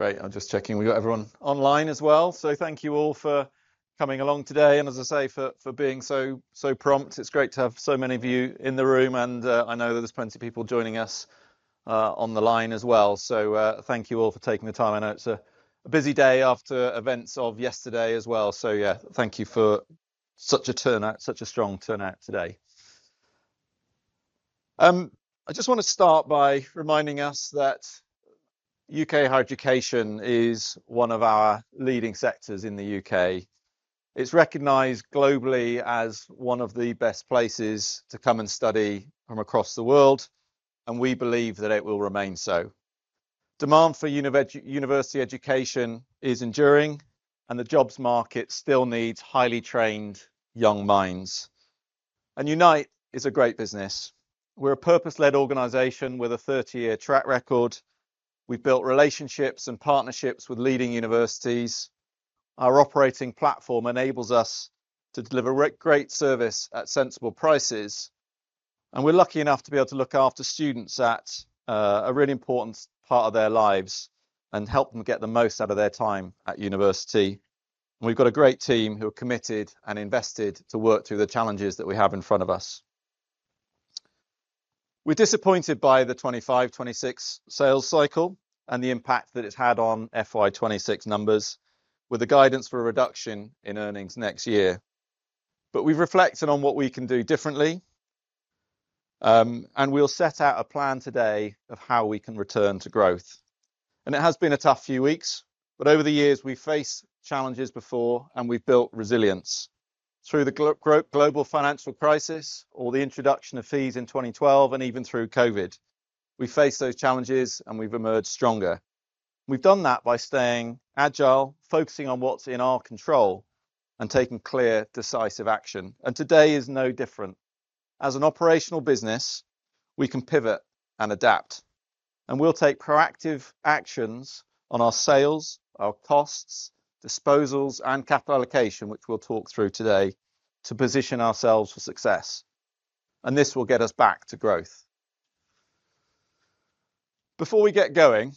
Right, I'm just checking. We've got everyone online as well. Thank you all for coming along today. As I say, for being so prompt, it's great to have so many of you in the room. I know that there's plenty of people joining us on the line as well. Thank you all for taking the time. I know it's a busy day after events of yesterday as well. Thank you for such a turnout, such a strong turnout today. I just want to start by reminding us that U.K. Higher Education is one of our leading sectors in the U.K. It's recognized globally as one of the best places to come and study from across the world, and we believe that it will remain so. Demand for university education is enduring, and the jobs market still needs highly trained young minds. Unite is a great business. We are a purpose-led organization with a 30-year track record. We have built relationships and partnerships with leading universities. Our operating platform enables us to deliver great service at sensible prices. We are lucky enough to be able to look after students at a really important part of their lives and help them get the most out of their time at university. We have a great team who are committed and invested to work through the challenges that we have in front of us. We are disappointed by the 2025-2026 sales cycle and the impact that it has had on FY 2026 numbers, with the guidance for a reduction in earnings next year. We have reflected on what we can do differently, and we will set out a plan today of how we can return to growth. It has been a tough few weeks, but over the years, we've faced challenges before, and we've built resilience. Through the global financial crisis, or the introduction of fees in 2012, and even through COVID, we've faced those challenges, and we've emerged stronger. We've done that by staying agile, focusing on what's in our control, and taking clear, decisive action. Today is no different. As an operational business, we can pivot and adapt. We'll take proactive actions on our sales, our costs, disposals, and capital allocation, which we'll talk through today, to position ourselves for success. This will get us back to growth. Before we get going,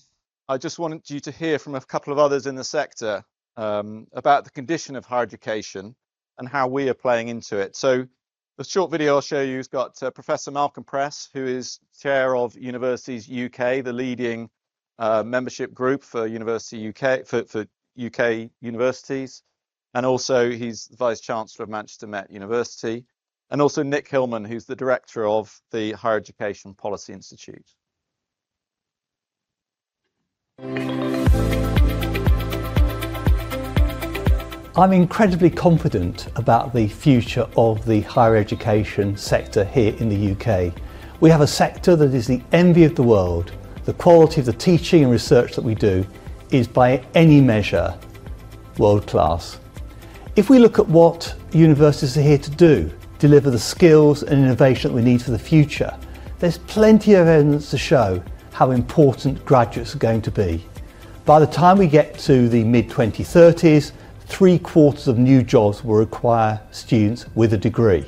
I just wanted you to hear from a couple of others in the sector about the condition of higher education and how we are playing into it. The short video I'll show you has got Professor Malcolm Press, who is Chair of Universities UK, the leading membership group for UK universities. Also, he's the Vice Chancellor of Manchester Met University. Also, Nick Hillman, who's the Director of the Higher Education Policy Institute. I'm incredibly confident about the future of the higher education sector here in the U.K. We have a sector that is the envy of the world. The quality of the teaching and research that we do is, by any measure, world-class. If we look at what universities are here to do, deliver the skills and innovation that we need for the future, there's plenty of evidence to show how important graduates are going to be. By the time we get to the mid-2030s, three-quarters of new jobs will require students with a degree.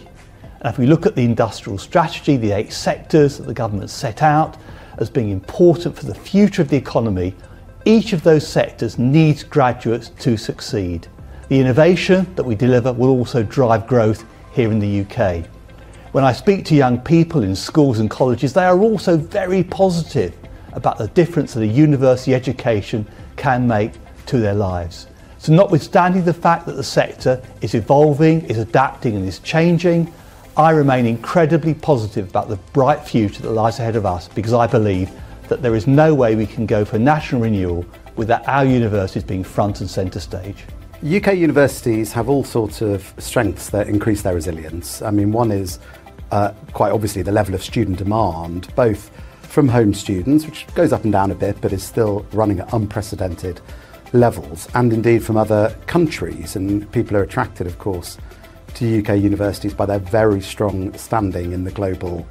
If we look at the industrial strategy, the eight sectors that the government set out as being important for the future of the economy, each of those sectors needs graduates to succeed. The innovation that we deliver will also drive growth here in the U.K. When I speak to young people in schools and colleges, they are also very positive about the difference that a university education can make to their lives. Notwithstanding the fact that the sector is evolving, is adapting, and is changing, I remain incredibly positive about the bright future that lies ahead of us because I believe that there is no way we can go for national renewal without our universities being front and center stage. U.K. universities have all sorts of strengths that increase their resilience. I mean, one is quite obviously the level of student demand, both from home students, which goes up and down a bit, but is still running at unprecedented levels, and indeed from other countries. People are attracted, of course, to U.K. universities by their very strong standing in the global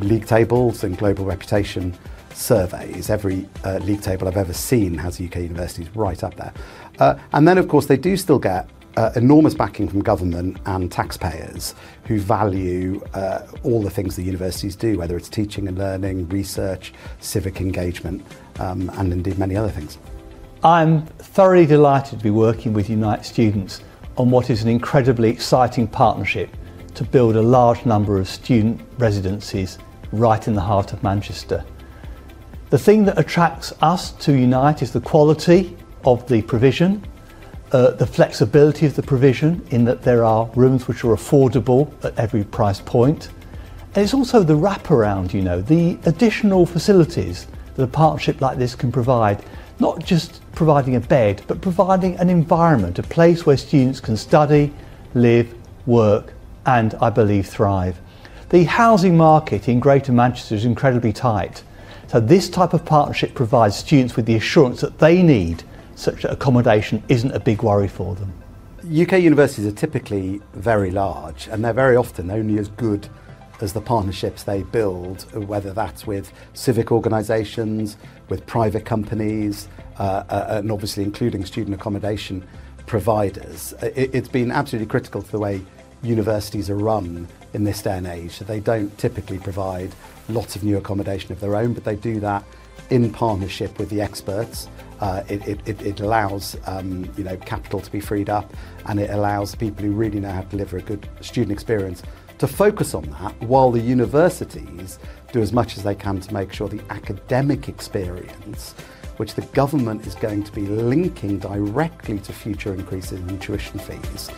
league tables and global reputation surveys. Every league table I've ever seen has U.K. universities right up there. They do still get enormous backing from government and taxpayers who value all the things that universities do, whether it's teaching and learning, research, civic engagement, and indeed many other things. I'm thoroughly delighted to be working with Unite Students on what is an incredibly exciting partnership to build a large number of student residencies right in the heart of Manchester. The thing that attracts us to Unite is the quality of the provision, the flexibility of the provision in that there are rooms which are affordable at every price point. It's also the wraparound, you know, the additional facilities that a partnership like this can provide, not just providing a bed, but providing an environment, a place where students can study, live, work, and I believe thrive. The housing market in Greater Manchester is incredibly tight. This type of partnership provides students with the assurance that they need such accommodation isn't a big worry for them. U.K. universities are typically very large, and they're very often only as good as the partnerships they build, whether that's with civic organizations, with private companies, and obviously including student accommodation providers. It's been absolutely critical to the way universities are run in this day and age. They don't typically provide lots of new accommodation of their own, but they do that in partnership with the experts. It allows capital to be freed up, and it allows people who really know how to deliver a good student experience to focus on that while the universities do as much as they can to make sure the academic experience, which the government is going to be linking directly to future increases in tuition fees,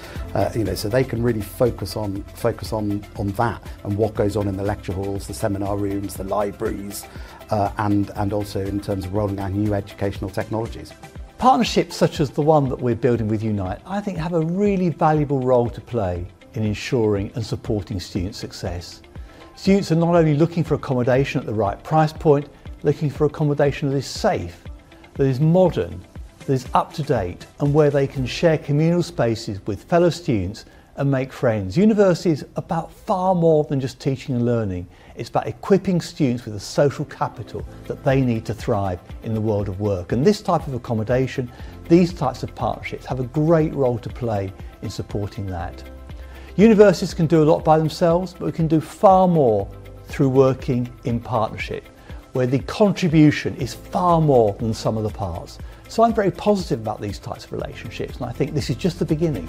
you know, so they can really focus on that and what goes on in the lecture halls, the seminar rooms, the libraries, and also in terms of rolling out new educational technologies. Partnerships such as the one that we're building with Unite, I think, have a really valuable role to play in ensuring and supporting student success. Students are not only looking for accommodation at the right price point, looking for accommodation that is safe, that is modern, that is up to date, and where they can share communal spaces with fellow students and make friends. University is about far more than just teaching and learning. It is about equipping students with the social capital that they need to thrive in the world of work. This type of accommodation, these types of partnerships have a great role to play in supporting that. Universities can do a lot by themselves, but we can do far more through working in partnership, where the contribution is far more than some of the parts. I'm very positive about these types of relationships, and I think this is just the beginning.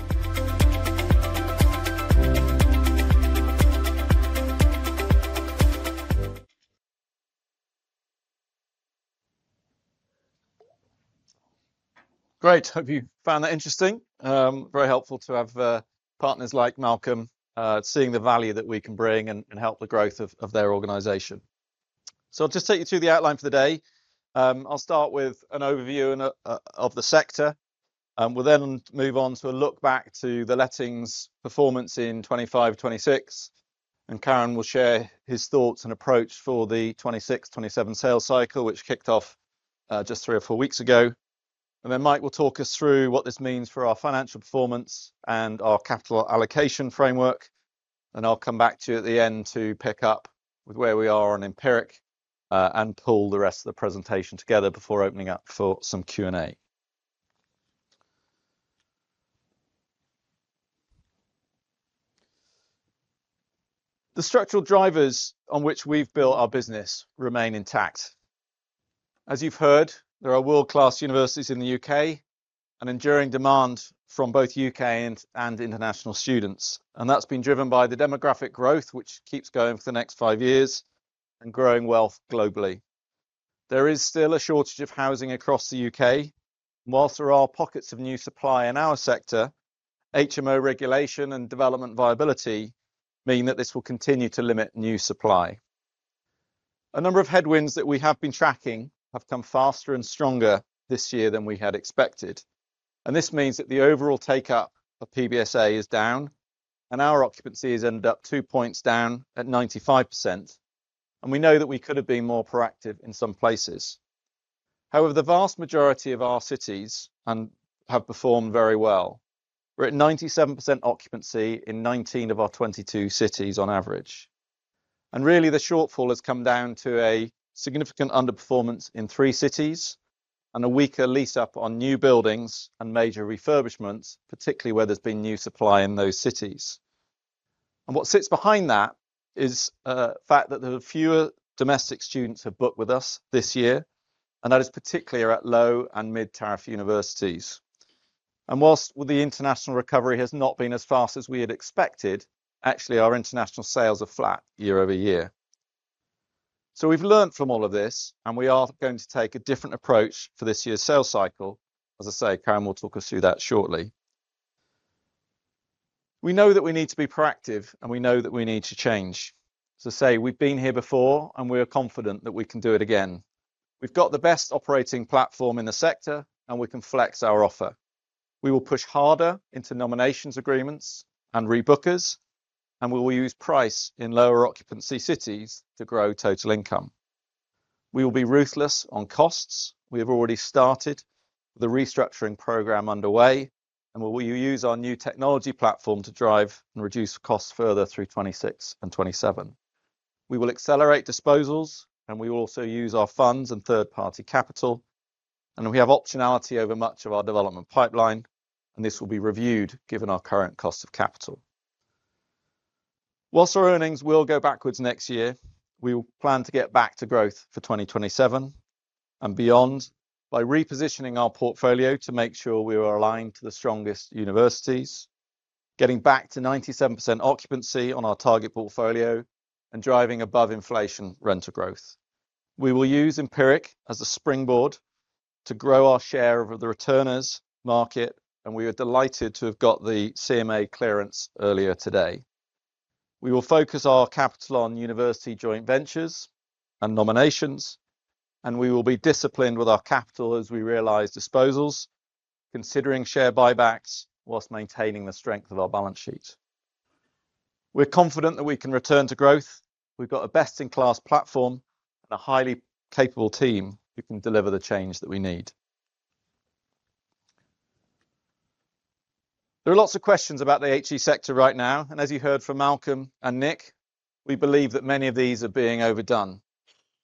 Great. Hope you found that interesting. Very helpful to have partners like Malcolm seeing the value that we can bring and help the growth of their organization. I will just take you through the outline for the day. I will start with an overview of the sector. We will then move on to a look back to the Lettings performance in 2025-2026. Karan will share his thoughts and approach for the 2026-2027 sales cycle, which kicked off just three or four weeks ago. Mike will talk us through what this means for our financial performance and our capital allocation framework. I will come back to you at the end to pick up with where we are on Empiric and pull the rest of the presentation together before opening up for some Q&A. The structural drivers on which we have built our business remain intact. As you've heard, there are world-class universities in the U.K. and enduring demand from both U.K. and international students. That has been driven by the demographic growth, which keeps going for the next five years, and growing wealth globally. There is still a shortage of housing across the U.K. Whilst there are pockets of new supply in our sector, HMO regulation and development viability mean that this will continue to limit new supply. A number of headwinds that we have been tracking have come faster and stronger this year than we had expected. This means that the overall take-up of PBSA is down, and our occupancy has ended up two percentage points down at 95%. We know that we could have been more proactive in some places. However, the vast majority of our cities have performed very well. We're at 97% occupancy in 19 of our 22 cities on average. The shortfall has come down to a significant underperformance in three cities and a weaker lease-up on new buildings and major refurbishments, particularly where there's been new supply in those cities. What sits behind that is the fact that there are fewer domestic students who have booked with us this year, and that is particularly at low and mid-tariff universities. Whilst the international recovery has not been as fast as we had expected, actually, our international sales are flat year-over-year. We've learned from all of this, and we are going to take a different approach for this year's sales cycle. As I say, Karan will talk us through that shortly. We know that we need to be proactive, and we know that we need to change. As I say, we've been here before, and we are confident that we can do it again. We've got the best operating platform in the sector, and we can flex our offer. We will push harder into nominations agreements and rebookers, and we will use price in lower occupancy cities to grow total income. We will be ruthless on costs. We have already started the restructuring program underway, and we will use our new technology platform to drive and reduce costs further through 2026 and 2027. We will accelerate disposals, and we will also use our funds and third-party capital. We have optionality over much of our development pipeline, and this will be reviewed given our current cost of capital. Whilst our earnings will go backwards next year, we will plan to get back to growth for 2027 and beyond by repositioning our portfolio to make sure we are aligned to the strongest universities, getting back to 97% occupancy on our target portfolio and driving above inflation rental growth. We will use Empiric as a springboard to grow our share of the returners market, and we are delighted to have got the CMA clearance earlier today. We will focus our capital on university joint ventures and nominations, and we will be disciplined with our capital as we realize disposals, considering share buybacks whilst maintaining the strength of our balance sheet. We're confident that we can return to growth. We've got a best-in-class platform and a highly capable team who can deliver the change that we need. There are lots of questions about the HE sector right now, and as you heard from Malcolm and Nick, we believe that many of these are being overdone.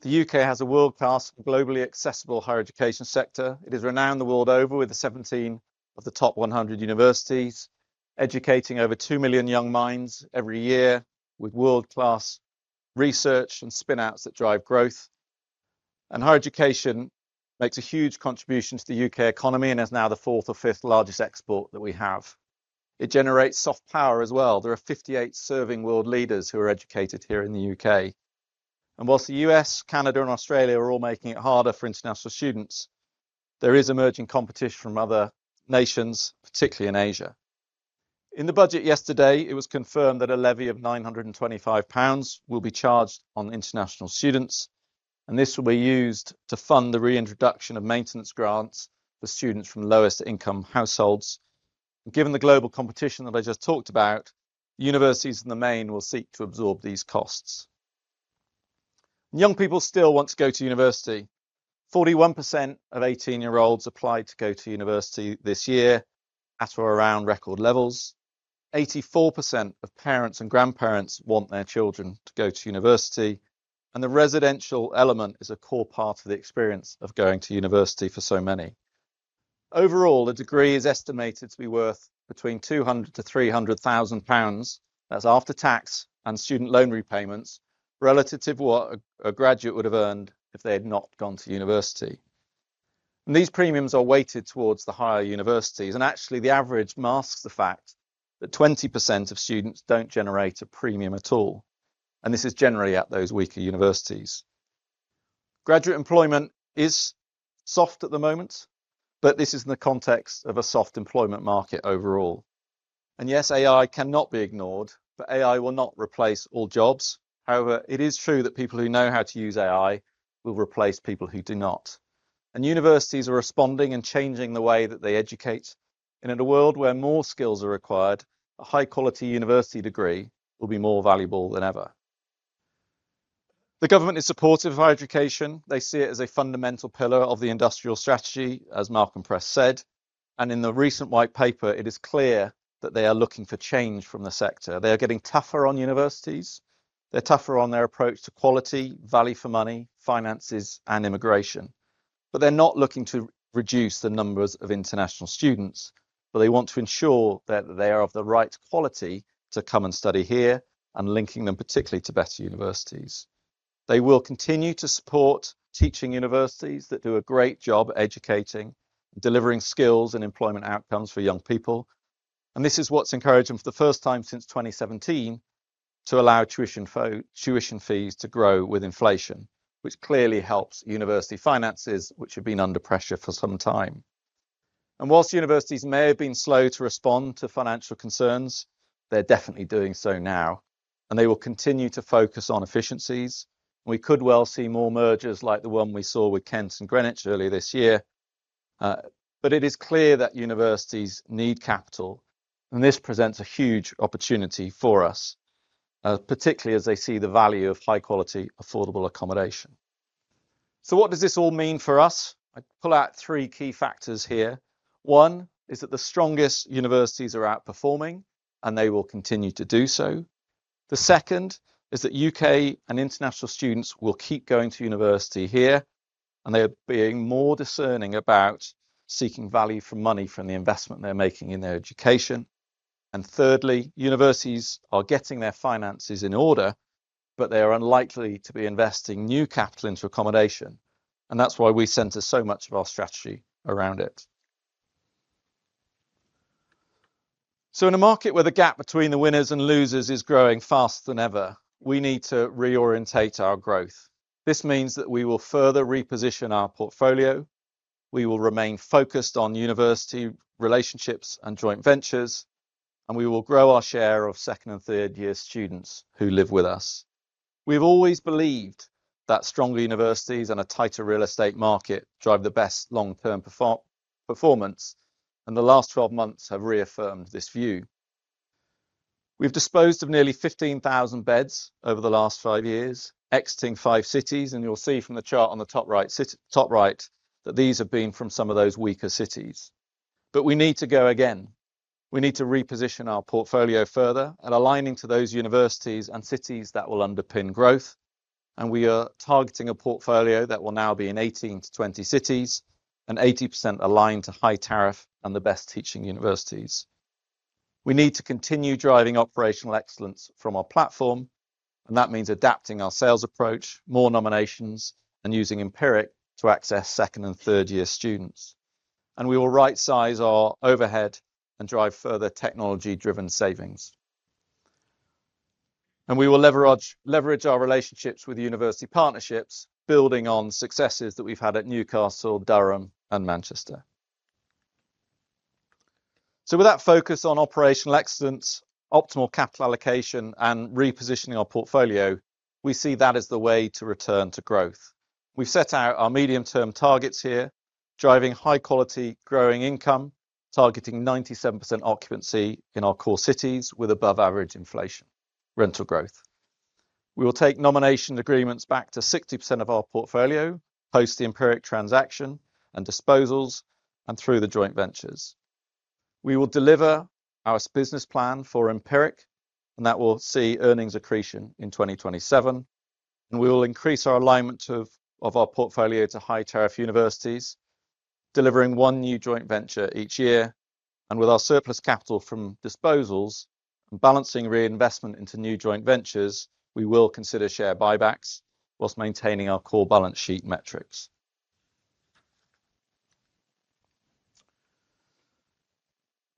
The U.K. has a world-class and globally accessible higher education sector. It is renowned the world over with 17 of the top 100 universities, educating over 2 million young minds every year with world-class research and spinouts that drive growth. Higher education makes a huge contribution to the U.K. economy and is now the fourth or fifth largest export that we have. It generates soft power as well. There are 58 serving world leaders who are educated here in the U.K. Whilst the U.S., Canada, and Australia are all making it harder for international students, there is emerging competition from other nations, particularly in Asia. In the budget yesterday, it was confirmed that a levy of 925 pounds will be charged on international students, and this will be used to fund the reintroduction of maintenance grants for students from lowest income households. Given the global competition that I just talked about, universities in the main will seek to absorb these costs. Young people still want to go to university. 41% of 18-year-olds applied to go to university this year at or around record levels. 84% of parents and grandparents want their children to go to university, and the residential element is a core part of the experience of going to university for so many. Overall, a degree is estimated to be worth between 200,000-300,000 pounds. That is after tax and student loan repayments relative to what a graduate would have earned if they had not gone to university. These premiums are weighted towards the higher universities, and actually the average masks the fact that 20% of students do not generate a premium at all, and this is generally at those weaker universities. Graduate employment is soft at the moment, but this is in the context of a soft employment market overall. Yes, AI cannot be ignored, but AI will not replace all jobs. However, it is true that people who know how to use AI will replace people who do not. Universities are responding and changing the way that they educate. In a world where more skills are required, a high-quality university degree will be more valuable than ever. The government is supportive of higher education. They see it as a fundamental pillar of the industrial strategy, as Malcolm Press said. In the recent white paper, it is clear that they are looking for change from the sector. They are getting tougher on universities. They are tougher on their approach to quality, value for money, finances, and immigration. They are not looking to reduce the numbers of international students, but they want to ensure that they are of the right quality to come and study here and linking them particularly to better universities. They will continue to support teaching universities that do a great job educating and delivering skills and employment outcomes for young people. This is what has encouraged them for the first time since 2017 to allow tuition fees to grow with inflation, which clearly helps university finances, which have been under pressure for some time. Whilst universities may have been slow to respond to financial concerns, they're definitely doing so now, and they will continue to focus on efficiencies. We could well see more mergers like the one we saw with Kent and Greenwich earlier this year. It is clear that universities need capital, and this presents a huge opportunity for us, particularly as they see the value of high-quality, affordable accommodation. What does this all mean for us? I pull out three key factors here. One is that the strongest universities are outperforming, and they will continue to do so. The second is that U.K. and international students will keep going to university here, and they are being more discerning about seeking value for money from the investment they're making in their education. Thirdly, universities are getting their finances in order, but they are unlikely to be investing new capital into accommodation. That is why we center so much of our strategy around it. In a market where the gap between the winners and losers is growing faster than ever, we need to reorientate our growth. This means that we will further reposition our portfolio. We will remain focused on university relationships and joint ventures, and we will grow our share of second and third-year students who live with us. We have always believed that stronger universities and a tighter real estate market drive the best long-term performance, and the last 12 months have reaffirmed this view. We have disposed of nearly 15,000 beds over the last five years, exiting five cities, and you will see from the chart on the top right that these have been from some of those weaker cities. We need to go again. We need to reposition our portfolio further and align to those universities and cities that will underpin growth. We are targeting a portfolio that will now be in 18-20 cities and 80% aligned to high-tariff and the best teaching universities. We need to continue driving operational excellence from our platform, and that means adapting our sales approach, more nominations, and using Empiric to access second- and third-year students. We will right-size our overhead and drive further technology-driven savings. We will leverage our relationships with university partnerships, building on successes that we have had at Newcastle, Durham, and Manchester. With that focus on operational excellence, optimal capital allocation, and repositioning our portfolio, we see that as the way to return to growth. have set out our medium-term targets here, driving high-quality growing income, targeting 97% occupancy in our core cities with above-average inflation rental growth. We will take nomination agreements back to 60% of our portfolio post the Empiric transaction and disposals and through the joint ventures. We will deliver our business plan for Empiric, and that will see earnings accretion in 2027. We will increase our alignment of our portfolio to high-tariff universities, delivering one new joint venture each year. With our surplus capital from disposals and balancing reinvestment into new joint ventures, we will consider share buybacks whilst maintaining our core balance sheet metrics.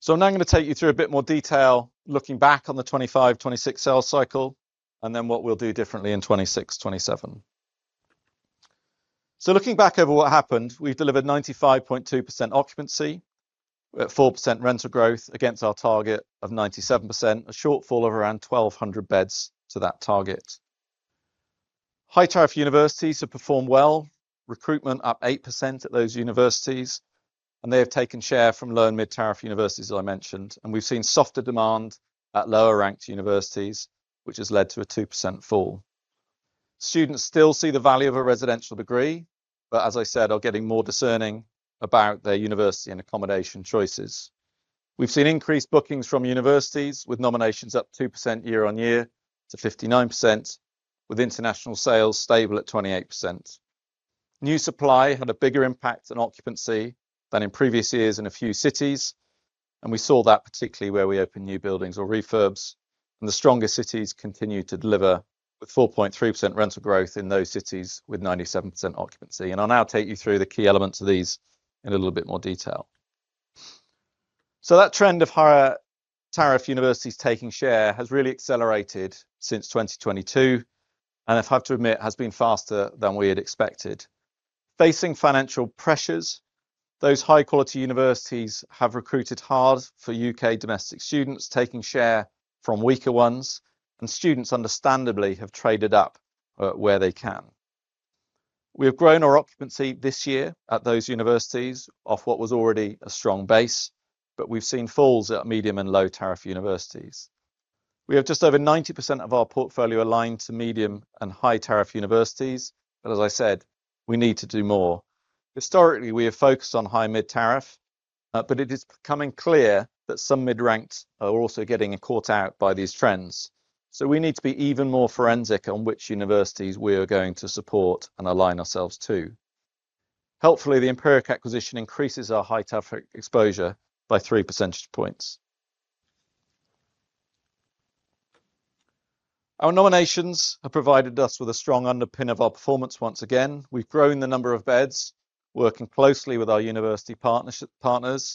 I am now going to take you through a bit more detail looking back on the 2025-2026 sales cycle and then what we will do differently in 2026-2027. Looking back over what happened, we've delivered 95.2% occupancy at 4% rental growth against our target of 97%, a shortfall of around 1,200 beds to that target. High-tariff universities have performed well, recruitment up 8% at those universities, and they have taken share from low and mid-tariff universities, as I mentioned, and we've seen softer demand at lower-ranked universities, which has led to a 2% fall. Students still see the value of a residential degree, but as I said, are getting more discerning about their university and accommodation choices. We've seen increased bookings from universities with nominations up 2% year on year to 59%, with international sales stable at 28%. New supply had a bigger impact on occupancy than in previous years in a few cities, and we saw that particularly where we opened new buildings or refurbs, and the strongest cities continued to deliver with 4.3% rental growth in those cities with 97% occupancy. I will now take you through the key elements of these in a little bit more detail. That trend of higher tariff universities taking share has really accelerated since 2022, and I have to admit it has been faster than we had expected. Facing financial pressures, those high-quality universities have recruited hard for U.K. domestic students, taking share from weaker ones, and students understandably have traded up where they can. We have grown our occupancy this year at those universities off what was already a strong base, but we have seen falls at medium and low-tariff universities. We have just over 90% of our portfolio aligned to medium and high-tariff universities, but as I said, we need to do more. Historically, we have focused on high mid-tariff, but it is becoming clear that some mid-ranks are also getting caught out by these trends. We need to be even more forensic on which universities we are going to support and align ourselves to. Helpfully, the Empiric acquisition increases our high-tariff exposure by 3 percentage points. Our nominations have provided us with a strong underpin of our performance once again. We've grown the number of beds, working closely with our university partners,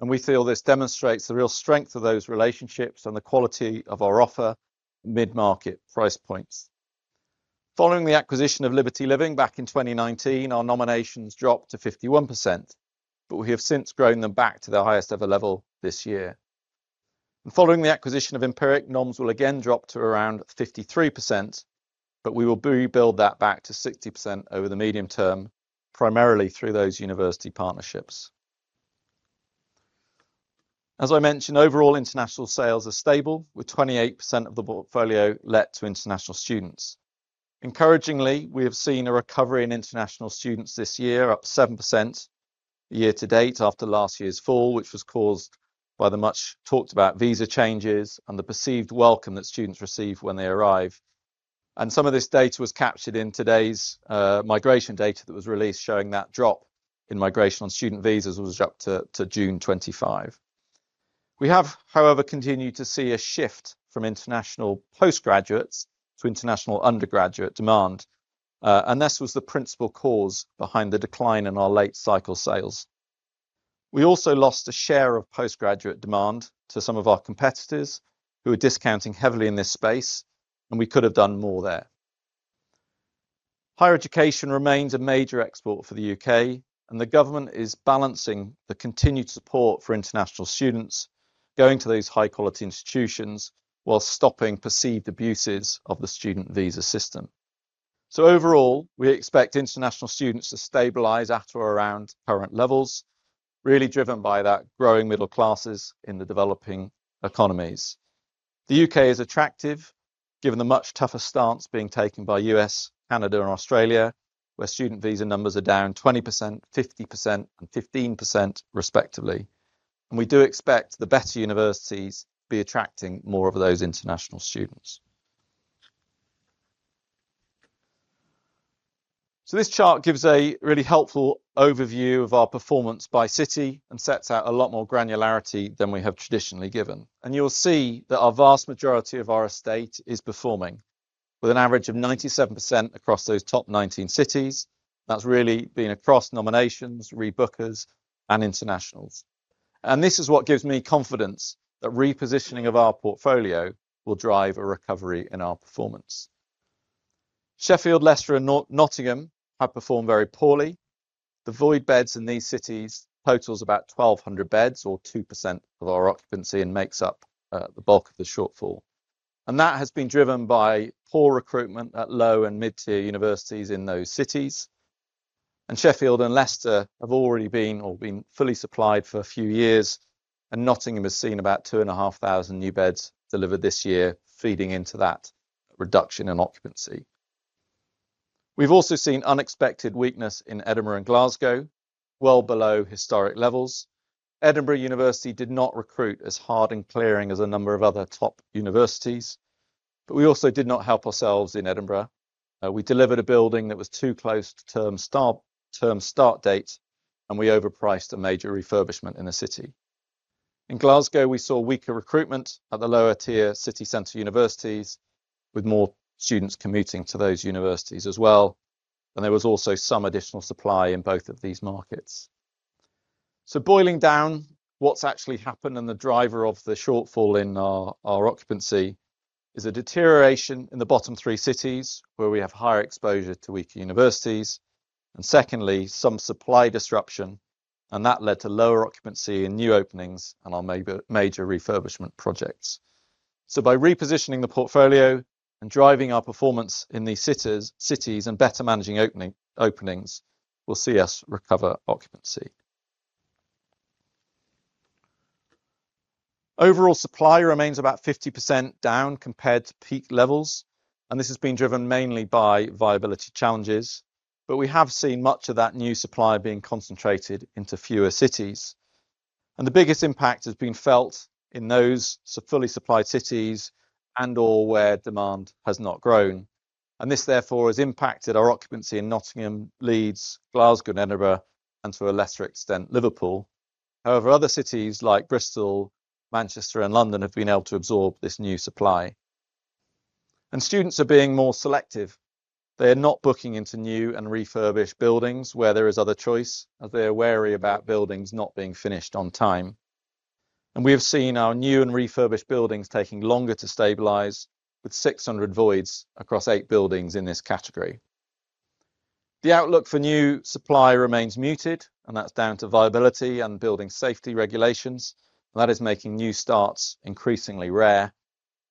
and we feel this demonstrates the real strength of those relationships and the quality of our offer mid-market price points. Following the acquisition of Liberty Living back in 2019, our nominations dropped to 51%, but we have since grown them back to their highest ever level this year. Following the acquisition of Empiric, Noms will again drop to around 53%, but we will rebuild that back to 60% over the medium term, primarily through those university partnerships. As I mentioned, overall international sales are stable, with 28% of the portfolio let to international students. Encouragingly, we have seen a recovery in international students this year, up 7% year to date after last year's fall, which was caused by the much talked about visa changes and the perceived welcome that students receive when they arrive. Some of this data was captured in today's migration data that was released, showing that drop in migration on student visas was up to June 2025. We have, however, continued to see a shift from international postgraduates to international undergraduate demand, and this was the principal cause behind the decline in our late cycle sales. We also lost a share of postgraduate demand to some of our competitors who are discounting heavily in this space, and we could have done more there. Higher education remains a major export for the U.K., and the government is balancing the continued support for international students going to those high-quality institutions while stopping perceived abuses of the student visa system. Overall, we expect international students to stabilize at or around current levels, really driven by that growing middle classes in the developing economies. The U.K. is attractive, given the much tougher stance being taken by the U.S., Canada, and Australia, where student visa numbers are down 20%, 50%, and 15% respectively. We do expect the better universities to be attracting more of those international students. This chart gives a really helpful overview of our performance by city and sets out a lot more granularity than we have traditionally given. You will see that the vast majority of our estate is performing, with an average of 97% across those top 19 cities. That has really been across nominations, rebookers, and internationals. This is what gives me confidence that repositioning of our portfolio will drive a recovery in our performance. Sheffield, Leicester, and Nottingham have performed very poorly. The void beds in these cities total about 1,200 beds, or 2% of our occupancy, and make up the bulk of the shortfall. That has been driven by poor recruitment at low and mid-tier universities in those cities. Sheffield and Leicester have already been or been fully supplied for a few years, and Nottingham has seen about 2,500 new beds delivered this year, feeding into that reduction in occupancy. We have also seen unexpected weakness in Edinburgh and Glasgow, well below historic levels. Edinburgh University did not recruit as hard in clearing as a number of other top universities, but we also did not help ourselves in Edinburgh. We delivered a building that was too close to term start date, and we overpriced a major refurbishment in the city. In Glasgow, we saw weaker recruitment at the lower-tier city centre universities, with more students commuting to those universities as well. There was also some additional supply in both of these markets. Boiling down, what's actually happened and the driver of the shortfall in our occupancy is a deterioration in the bottom three cities, where we have higher exposure to weaker universities. Secondly, some supply disruption led to lower occupancy in new openings and our major refurbishment projects. By repositioning the portfolio and driving our performance in these cities and better managing openings, we'll see us recover occupancy. Overall supply remains about 50% down compared to peak levels, and this has been driven mainly by viability challenges, but we have seen much of that new supply being concentrated into fewer cities. The biggest impact has been felt in those fully supplied cities and/or where demand has not grown. This therefore has impacted our occupancy in Nottingham, Leeds, Glasgow, and Edinburgh, and to a lesser extent, Liverpool. However, other cities like Bristol, Manchester, and London have been able to absorb this new supply. Students are being more selective. They are not booking into new and refurbished buildings where there is other choice, as they are wary about buildings not being finished on time. We have seen our new and refurbished buildings taking longer to stabilize, with 600 voids across eight buildings in this category. The outlook for new supply remains muted, and that is down to viability and building safety regulations, and that is making new starts increasingly rare.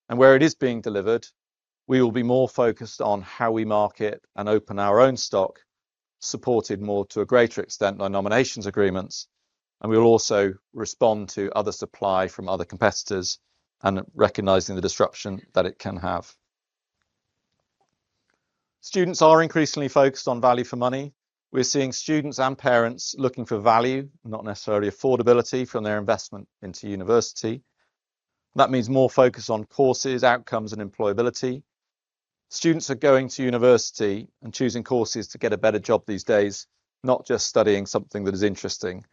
Where it is being delivered, we will be more focused on how we market and open our own stock, supported more to a greater extent by nominations agreements. We will also respond to other supply from other competitors and recognize the disruption that it can have. Students are increasingly focused on value for money. We're seeing students and parents looking for value, not necessarily affordability, from their investment into university. That means more focus on courses, outcomes, and employability. Students are going to university and choosing courses to get a better job these days, not just studying something that is interesting.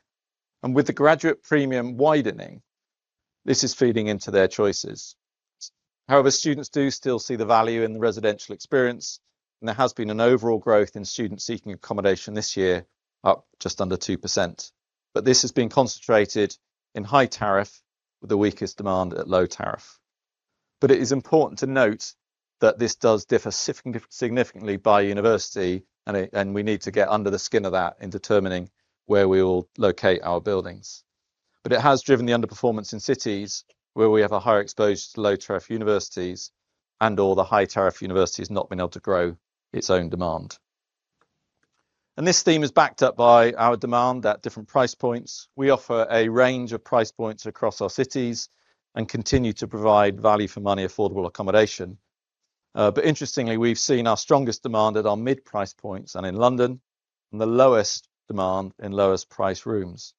With the graduate premium widening, this is feeding into their choices. However, students do still see the value in the residential experience, and there has been an overall growth in students seeking accommodation this year, up just under 2%. This has been concentrated in high tariff with the weakest demand at low tariff. It is important to note that this does differ significantly by university, and we need to get under the skin of that in determining where we will locate our buildings. It has driven the underperformance in cities where we have a higher exposure to low tariff universities and/or the high tariff universities not being able to grow its own demand. This theme is backed up by our demand at different price points. We offer a range of price points across our cities and continue to provide value for money, affordable accommodation. Interestingly, we've seen our strongest demand at our mid-price points and in London and the lowest demand in lowest price rooms.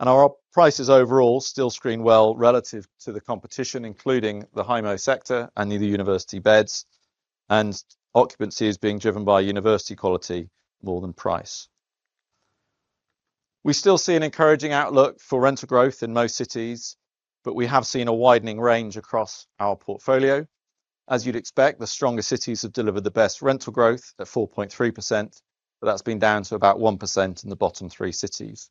Our prices overall still screen well relative to the competition, including the HMO sector and the university beds, and occupancy is being driven by university quality more than price. We still see an encouraging outlook for rental growth in most cities, but we have seen a widening range across our portfolio. As you'd expect, the stronger cities have delivered the best rental growth at 4.3%, but that's been down to about 1% in the bottom three cities.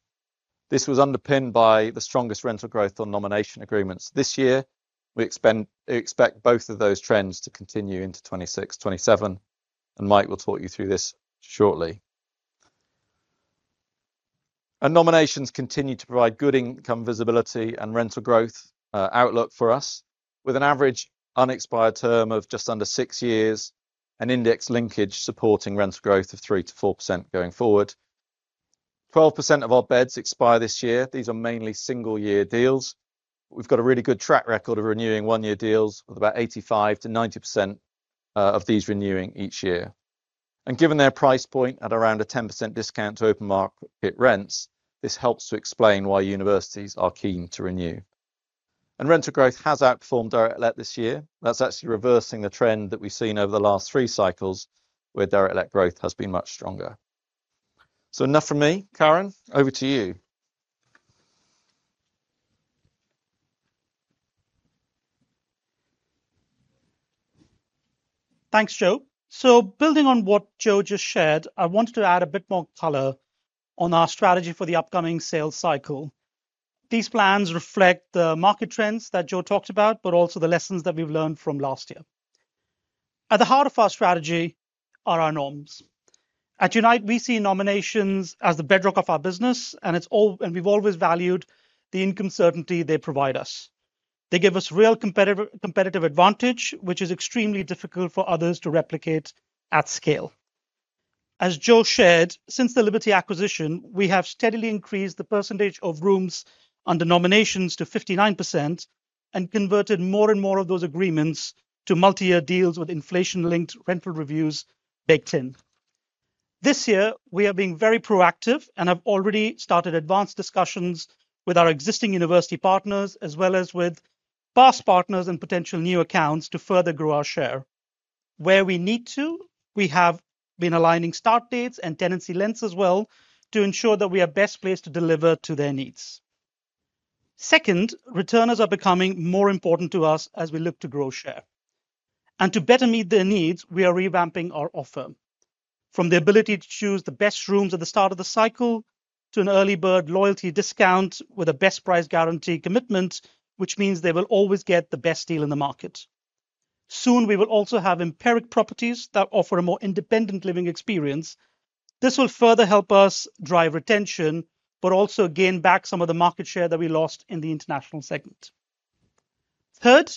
This was underpinned by the strongest rental growth on nominations agreements this year. We expect both of those trends to continue into 2026-2027, and Mike will talk you through this shortly. Nominations continue to provide good income visibility and rental growth outlook for us, with an average unexpired term of just under six years and index linkage supporting rental growth of 3%-4% going forward. 12% of our beds expire this year. These are mainly single-year deals, but we've got a really good track record of renewing one-year deals with about 85%-90% of these renewing each year. Given their price point at around a 10% discount to open market rents, this helps to explain why universities are keen to renew. Rental growth has outperformed direct let this year. That is actually reversing the trend that we have seen over the last three cycles, where direct let growth has been much stronger. Enough from me, Karan. Over to you. Thanks, Joe. Building on what Joe just shared, I wanted to add a bit more color on our strategy for the upcoming sales cycle. These plans reflect the market trends that Joe talked about, but also the lessons that we have learned from last year. At the heart of our strategy are our norms. At Unite, we see nominations as the bedrock of our business, and we have always valued the income certainty they provide us. They give us real competitive advantage, which is extremely difficult for others to replicate at scale. As Joe shared, since the Liberty acquisition, we have steadily increased the percentage of rooms under nominations to 59% and converted more and more of those agreements to multi-year deals with inflation-linked rental reviews baked in. This year, we are being very proactive and have already started advanced discussions with our existing university partners, as well as with past partners and potential new accounts to further grow our share. Where we need to, we have been aligning start dates and tenancy lengths as well to ensure that we are best placed to deliver to their needs. Second, returners are becoming more important to us as we look to grow share. And to better meet their needs, we are revamping our offer. From the ability to choose the best rooms at the start of the cycle to an early-bird loyalty discount with a best price guarantee commitment, which means they will always get the best deal in the market. Soon, we will also have Empiric properties that offer a more independent living experience. This will further help us drive retention, but also gain back some of the market share that we lost in the international segment. Third,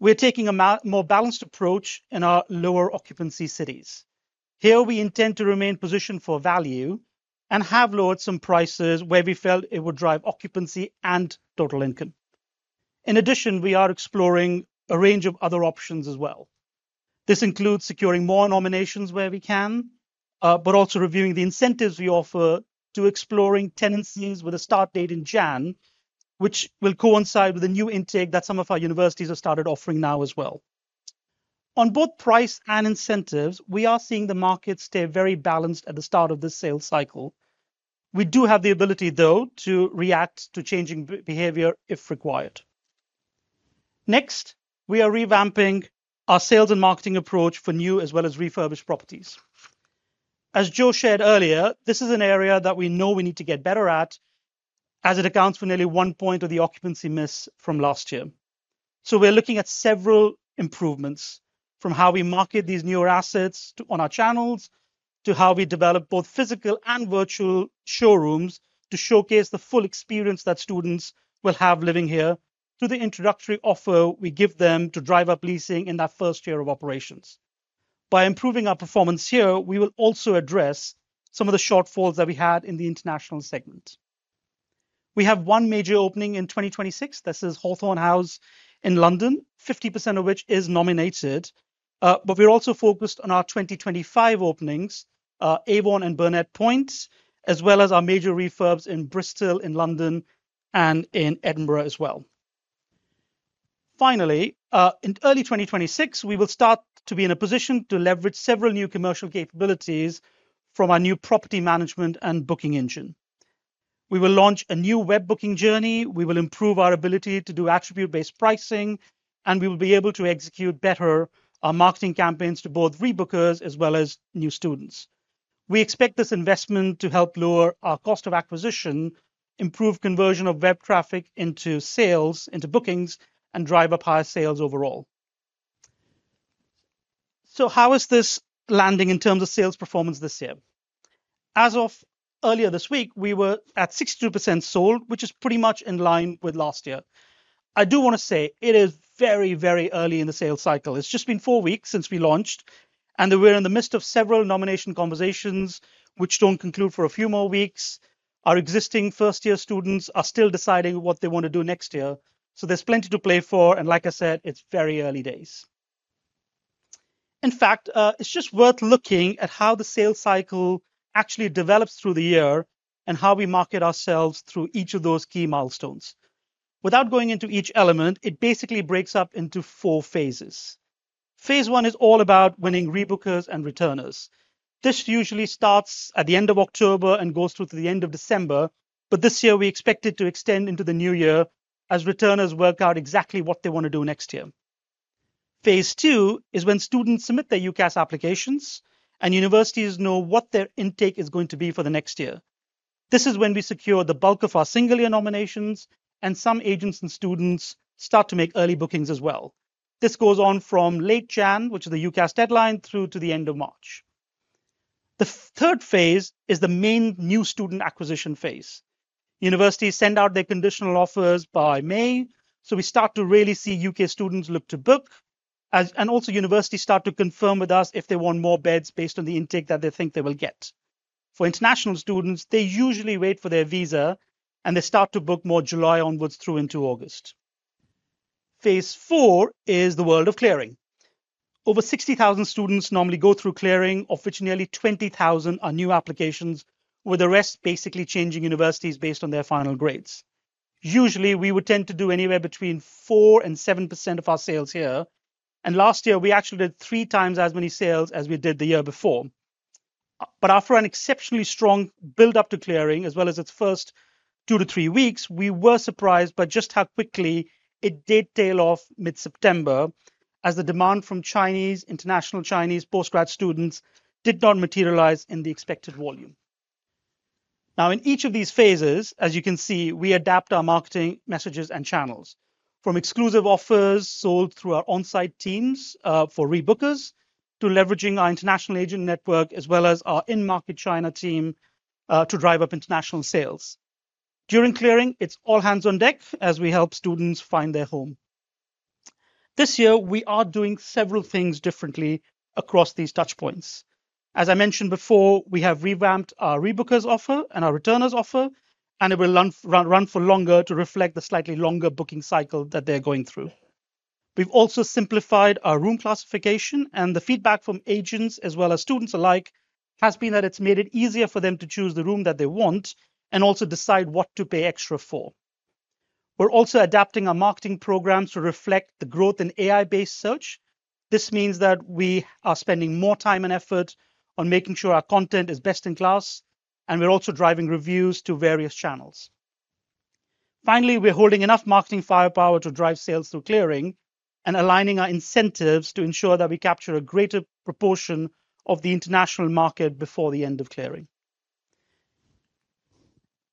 we're taking a more balanced approach in our lower occupancy cities. Here, we intend to remain positioned for value and have lowered some prices where we felt it would drive occupancy and total income. In addition, we are exploring a range of other options as well. This includes securing more nominations where we can, but also reviewing the incentives we offer to exploring tenancies with a start date in January, which will coincide with the new intake that some of our universities have started offering now as well. On both price and incentives, we are seeing the market stay very balanced at the start of this sales cycle. We do have the ability, though, to react to changing behavior if required. Next, we are revamping our sales and marketing approach for new as well as refurbished properties. As Joe shared earlier, this is an area that we know we need to get better at, as it accounts for nearly one point of the occupancy miss from last year. We are looking at several improvements from how we market these newer assets on our channels to how we develop both physical and virtual showrooms to showcase the full experience that students will have living here to the introductory offer we give them to drive up leasing in that first year of operations. By improving our performance here, we will also address some of the shortfalls that we had in the international segment. We have one major opening in 2026. This is Hawthorne House in London, 50% of which is nominated. We are also focused on our 2025 openings, Avon and Burnett Points, as well as our major refurbs in Bristol, in London, and in Edinburgh as well. Finally, in early 2026, we will start to be in a position to leverage several new commercial capabilities from our new property management and booking engine. We will launch a new web booking journey. We will improve our ability to do attribute-based pricing, and we will be able to execute better our marketing campaigns to both rebookers as well as new students. We expect this investment to help lower our cost of acquisition, improve conversion of web traffic into sales, into bookings, and drive up higher sales overall. How is this landing in terms of sales performance this year? As of earlier this week, we were at 62% sold, which is pretty much in line with last year. I do want to say it is very, very early in the sales cycle. It has just been four weeks since we launched, and we are in the midst of several nomination conversations, which do not conclude for a few more weeks. Our existing first-year students are still deciding what they want to do next year. There is plenty to play for. Like I said, it is very early days. In fact, it is just worth looking at how the sales cycle actually develops through the year and how we market ourselves through each of those key milestones. Without going into each element, it basically breaks up into four phases. Phase one is all about winning rebookers and returners. This usually starts at the end of October and goes through to the end of December, but this year we expect it to extend into the new year as returners work out exactly what they want to do next year. Phase two is when students submit their UCAS applications and universities know what their intake is going to be for the next year. This is when we secure the bulk of our single-year nominations, and some agents and students start to make early bookings as well. This goes on from late January, which is the UCAS deadline, through to the end of March. The third phase is the main new student acquisition phase. Universities send out their conditional offers by May, so we start to really see U.K. students look to book, and also universities start to confirm with us if they want more beds based on the intake that they think they will get. For international students, they usually wait for their visa, and they start to book more July onwards through into August. Phase four is the world of clearing. Over 60,000 students normally go through clearing, of which nearly 20,000 are new applications, with the rest basically changing universities based on their final grades. Usually, we would tend to do anywhere between 4% and 7% of our sales here, and last year we actually did three times as many sales as we did the year before. After an exceptionally strong build-up to clearing, as well as its first two to three weeks, we were surprised by just how quickly it did tail off mid-September, as the demand from Chinese, international Chinese post-grad students did not materialize in the expected volume. Now, in each of these phases, as you can see, we adapt our marketing messages and channels from exclusive offers sold through our on-site teams for rebookers to leveraging our international agent network, as well as our in-market China team to drive up international sales. During clearing, it's all hands on deck as we help students find their home. This year, we are doing several things differently across these touch points. As I mentioned before, we have revamped our rebookers offer and our returners offer, and it will run for longer to reflect the slightly longer booking cycle that they're going through. We've also simplified our room classification, and the feedback from agents as well as students alike has been that it's made it easier for them to choose the room that they want and also decide what to pay extra for. We're also adapting our marketing programs to reflect the growth in AI-based search. This means that we are spending more time and effort on making sure our content is best in class, and we're also driving reviews to various channels. Finally, we're holding enough marketing firepower to drive sales through clearing and aligning our incentives to ensure that we capture a greater proportion of the international market before the end of clearing.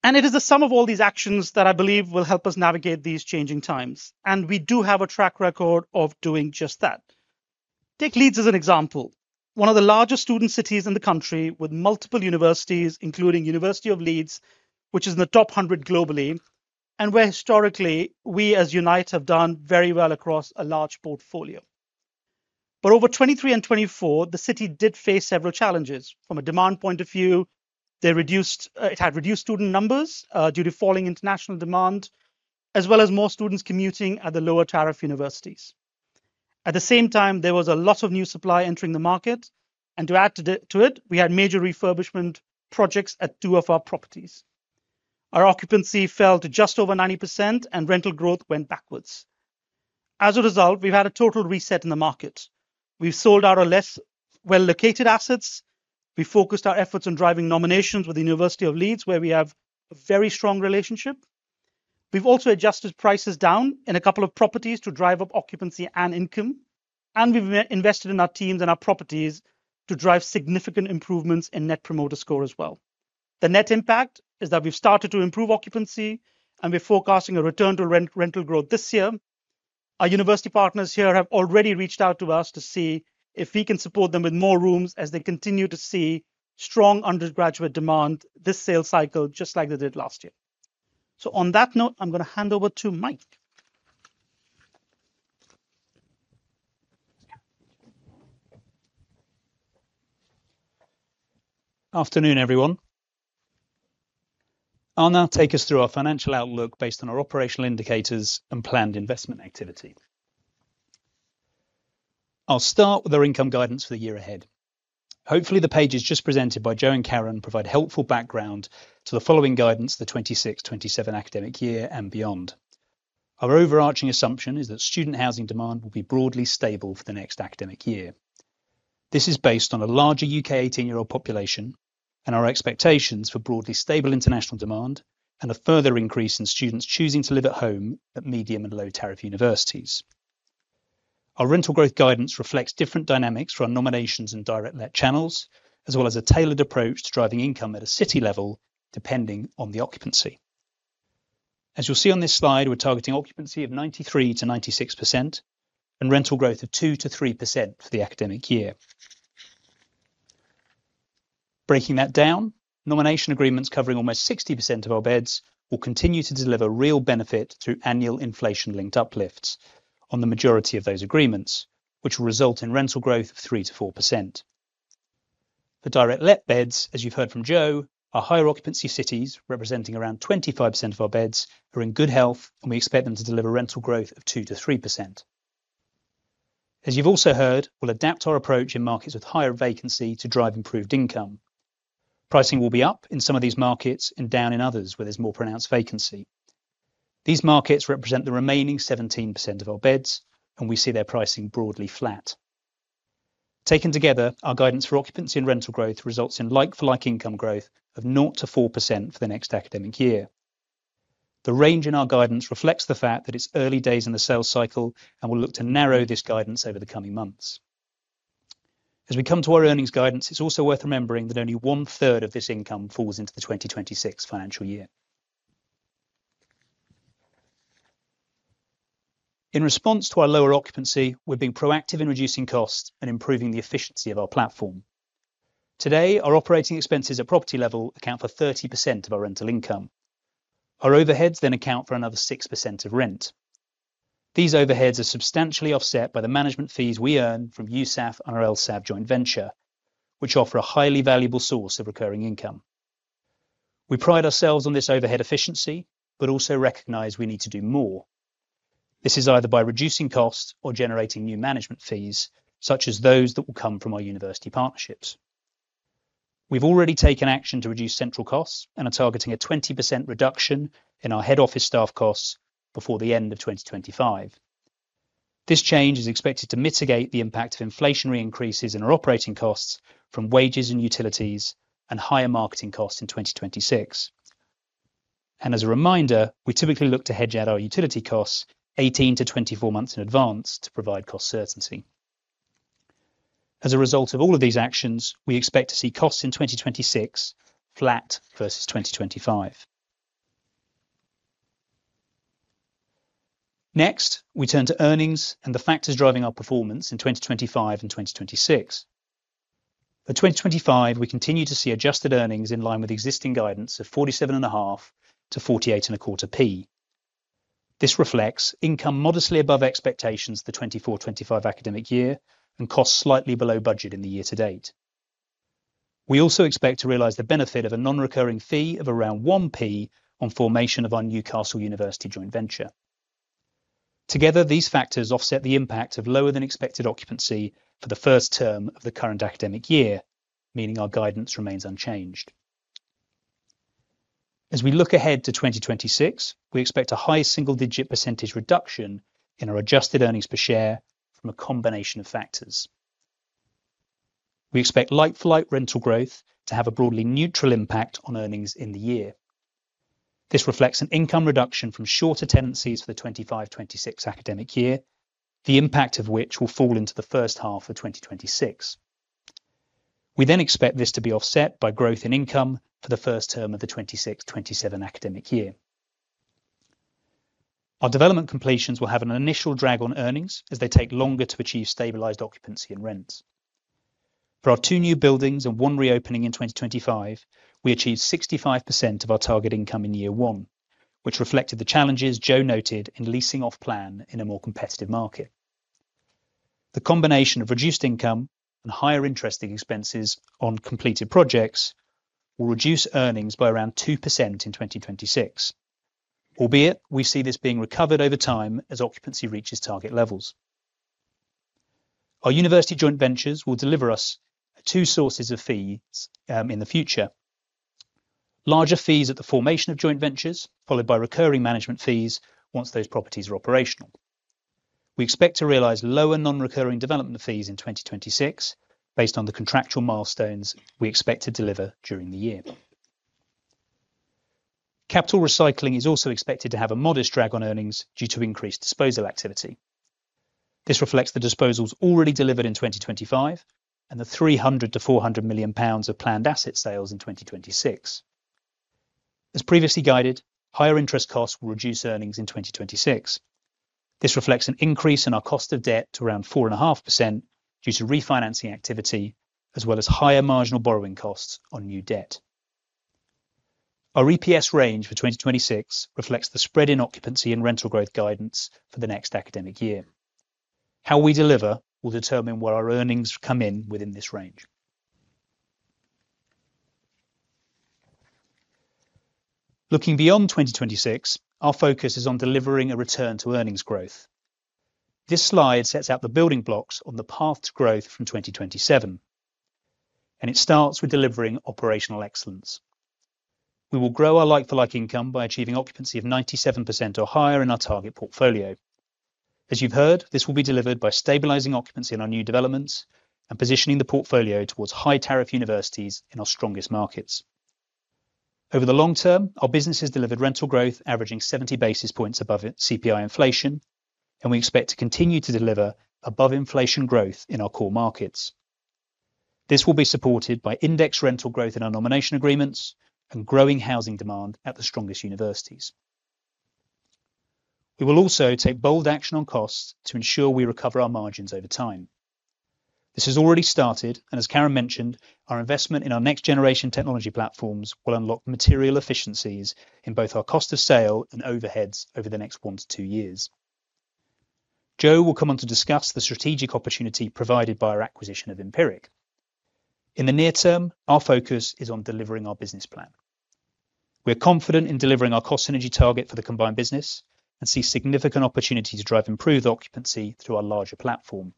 It is the sum of all these actions that I believe will help us navigate these changing times, and we do have a track record of doing just that. Take Leeds as an example, one of the largest student cities in the country with multiple universities, including University of Leeds, which is in the top 100 globally, and where historically we as Unite have done very well across a large portfolio. Over 2023 and 2024, the city did face several challenges. From a demand point of view, it had reduced student numbers due to falling international demand, as well as more students commuting at the lower tariff universities. At the same time, there was a lot of new supply entering the market, and to add to it, we had major refurbishment projects at two of our properties. Our occupancy fell to just over 90%, and rental growth went backwards. As a result, we've had a total reset in the market. We've sold out our less well-located assets. We focused our efforts on driving nominations with the University of Leeds, where we have a very strong relationship. We've also adjusted prices down in a couple of properties to drive up occupancy and income, and we've invested in our teams and our properties to drive significant improvements in net promoter score as well. The net impact is that we've started to improve occupancy, and we're forecasting a return to rental growth this year. Our university partners here have already reached out to us to see if we can support them with more rooms as they continue to see strong undergraduate demand this sales cycle, just like they did last year. On that note, I'm going to hand over to Mike. Afternoon, everyone. I'll now take us through our financial outlook based on our operational indicators and planned investment activity. I'll start with our income guidance for the year ahead. Hopefully, the pages just presented by Joe and Karan provide helpful background to the following guidance for the 2026-2027 academic year and beyond. Our overarching assumption is that student housing demand will be broadly stable for the next academic year. This is based on a larger U.K. 18-year-old population and our expectations for broadly stable international demand and a further increase in students choosing to live at home at medium and low tariff universities. Our rental growth guidance reflects different dynamics for our nominations and direct let channels, as well as a tailored approach to driving income at a city level depending on the occupancy. As you'll see on this slide, we're targeting occupancy of 93%-96% and rental growth of 2%-3% for the academic year. Breaking that down, nomination agreements covering almost 60% of our beds will continue to deliver real benefit through annual inflation-linked uplifts on the majority of those agreements, which will result in rental growth of 3%-4%. The direct let beds, as you've heard from Joe, our higher occupancy cities representing around 25% of our beds are in good health, and we expect them to deliver rental growth of 2%-3%. As you've also heard, we'll adapt our approach in markets with higher vacancy to drive improved income. Pricing will be up in some of these markets and down in others where there's more pronounced vacancy. These markets represent the remaining 17% of our beds, and we see their pricing broadly flat. Taken together, our guidance for occupancy and rental growth results in like-for-like income growth of 0%-4% for the next academic year. The range in our guidance reflects the fact that it's early days in the sales cycle and we'll look to narrow this guidance over the coming months. As we come to our earnings guidance, it's also worth remembering that only one-third of this income falls into the 2026 financial year. In response to our lower occupancy, we've been proactive in reducing costs and improving the efficiency of our platform. Today, our operating expenses at property level account for 30% of our rental income. Our overheads then account for another 6% of rent. These overheads are substantially offset by the management fees we earn from USAF and our LSAV joint venture, which offer a highly valuable source of recurring income. We pride ourselves on this overhead efficiency, but also recognize we need to do more. This is either by reducing costs or generating new management fees, such as those that will come from our university partnerships. We've already taken action to reduce central costs and are targeting a 20% reduction in our head office staff costs before the end of 2025. This change is expected to mitigate the impact of inflationary increases in our operating costs from wages and utilities and higher marketing costs in 2026. As a reminder, we typically look to hedge out our utility costs 18-24 months in advance to provide cost certainty. As a result of all of these actions, we expect to see costs in 2026 flat versus 2025. Next, we turn to earnings and the factors driving our performance in 2025 and 2026. For 2025, we continue to see adjusted earnings in line with existing guidance of 47.5%-48.25% p. This reflects income modestly above expectations for the 2024-2025 academic year and costs slightly below budget in the year to date. We also expect to realize the benefit of a non-recurring fee of around 1% p. on formation of our new Newcastle University joint venture. Together, these factors offset the impact of lower than expected occupancy for the first term of the current academic year, meaning our guidance remains unchanged. As we look ahead to 2026, we expect a high single-digit percentage reduction in our adjusted earnings per share from a combination of factors. We expect like-for-like rental growth to have a broadly neutral impact on earnings in the year. This reflects an income reduction from shorter tenancies for the 2025-2026 academic year, the impact of which will fall into the first half of 2026. We then expect this to be offset by growth in income for the first term of the 2026-2027 academic year. Our development completions will have an initial drag on earnings as they take longer to achieve stabilized occupancy and rents. For our two new buildings and one reopening in 2025, we achieved 65% of our target income in year one, which reflected the challenges Joe noted in leasing off-plan in a more competitive market. The combination of reduced income and higher interest expenses on completed projects will reduce earnings by around 2% in 2026, albeit we see this being recovered over time as occupancy reaches target levels. Our university joint ventures will deliver us two sources of fees in the future: larger fees at the formation of joint ventures, followed by recurring management fees once those properties are operational. We expect to realize lower non-recurring development fees in 2026 based on the contractual milestones we expect to deliver during the year. Capital recycling is also expected to have a modest drag on earnings due to increased disposal activity. This reflects the disposals already delivered in 2025 and the 300 million-400 million pounds of planned asset sales in 2026. As previously guided, higher interest costs will reduce earnings in 2026. This reflects an increase in our cost of debt to around 4.5% due to refinancing activity, as well as higher marginal borrowing costs on new debt. Our EPS range for 2026 reflects the spread in occupancy and rental growth guidance for the next academic year. How we deliver will determine where our earnings come in within this range. Looking beyond 2026, our focus is on delivering a return to earnings growth. This slide sets out the building blocks on the path to growth from 2027, and it starts with delivering operational excellence. We will grow our like-for-like income by achieving occupancy of 97% or higher in our target portfolio. As you've heard, this will be delivered by stabilizing occupancy in our new developments and positioning the portfolio towards high-tariff universities in our strongest markets. Over the long term, our business has delivered rental growth averaging 70 basis points above CPI inflation, and we expect to continue to deliver above inflation growth in our core markets. This will be supported by index rental growth in our nominations agreements and growing housing demand at the strongest universities. We will also take bold action on costs to ensure we recover our margins over time. This has already started, and as Karan mentioned, our investment in our next-generation technology platforms will unlock material efficiencies in both our cost of sale and overheads over the next one to two years. Joe will come on to discuss the strategic opportunity provided by our acquisition of Empiric. In the near term, our focus is on delivering our business plan. We are confident in delivering our cost energy target for the combined business and see significant opportunity to drive improved occupancy through our larger platform.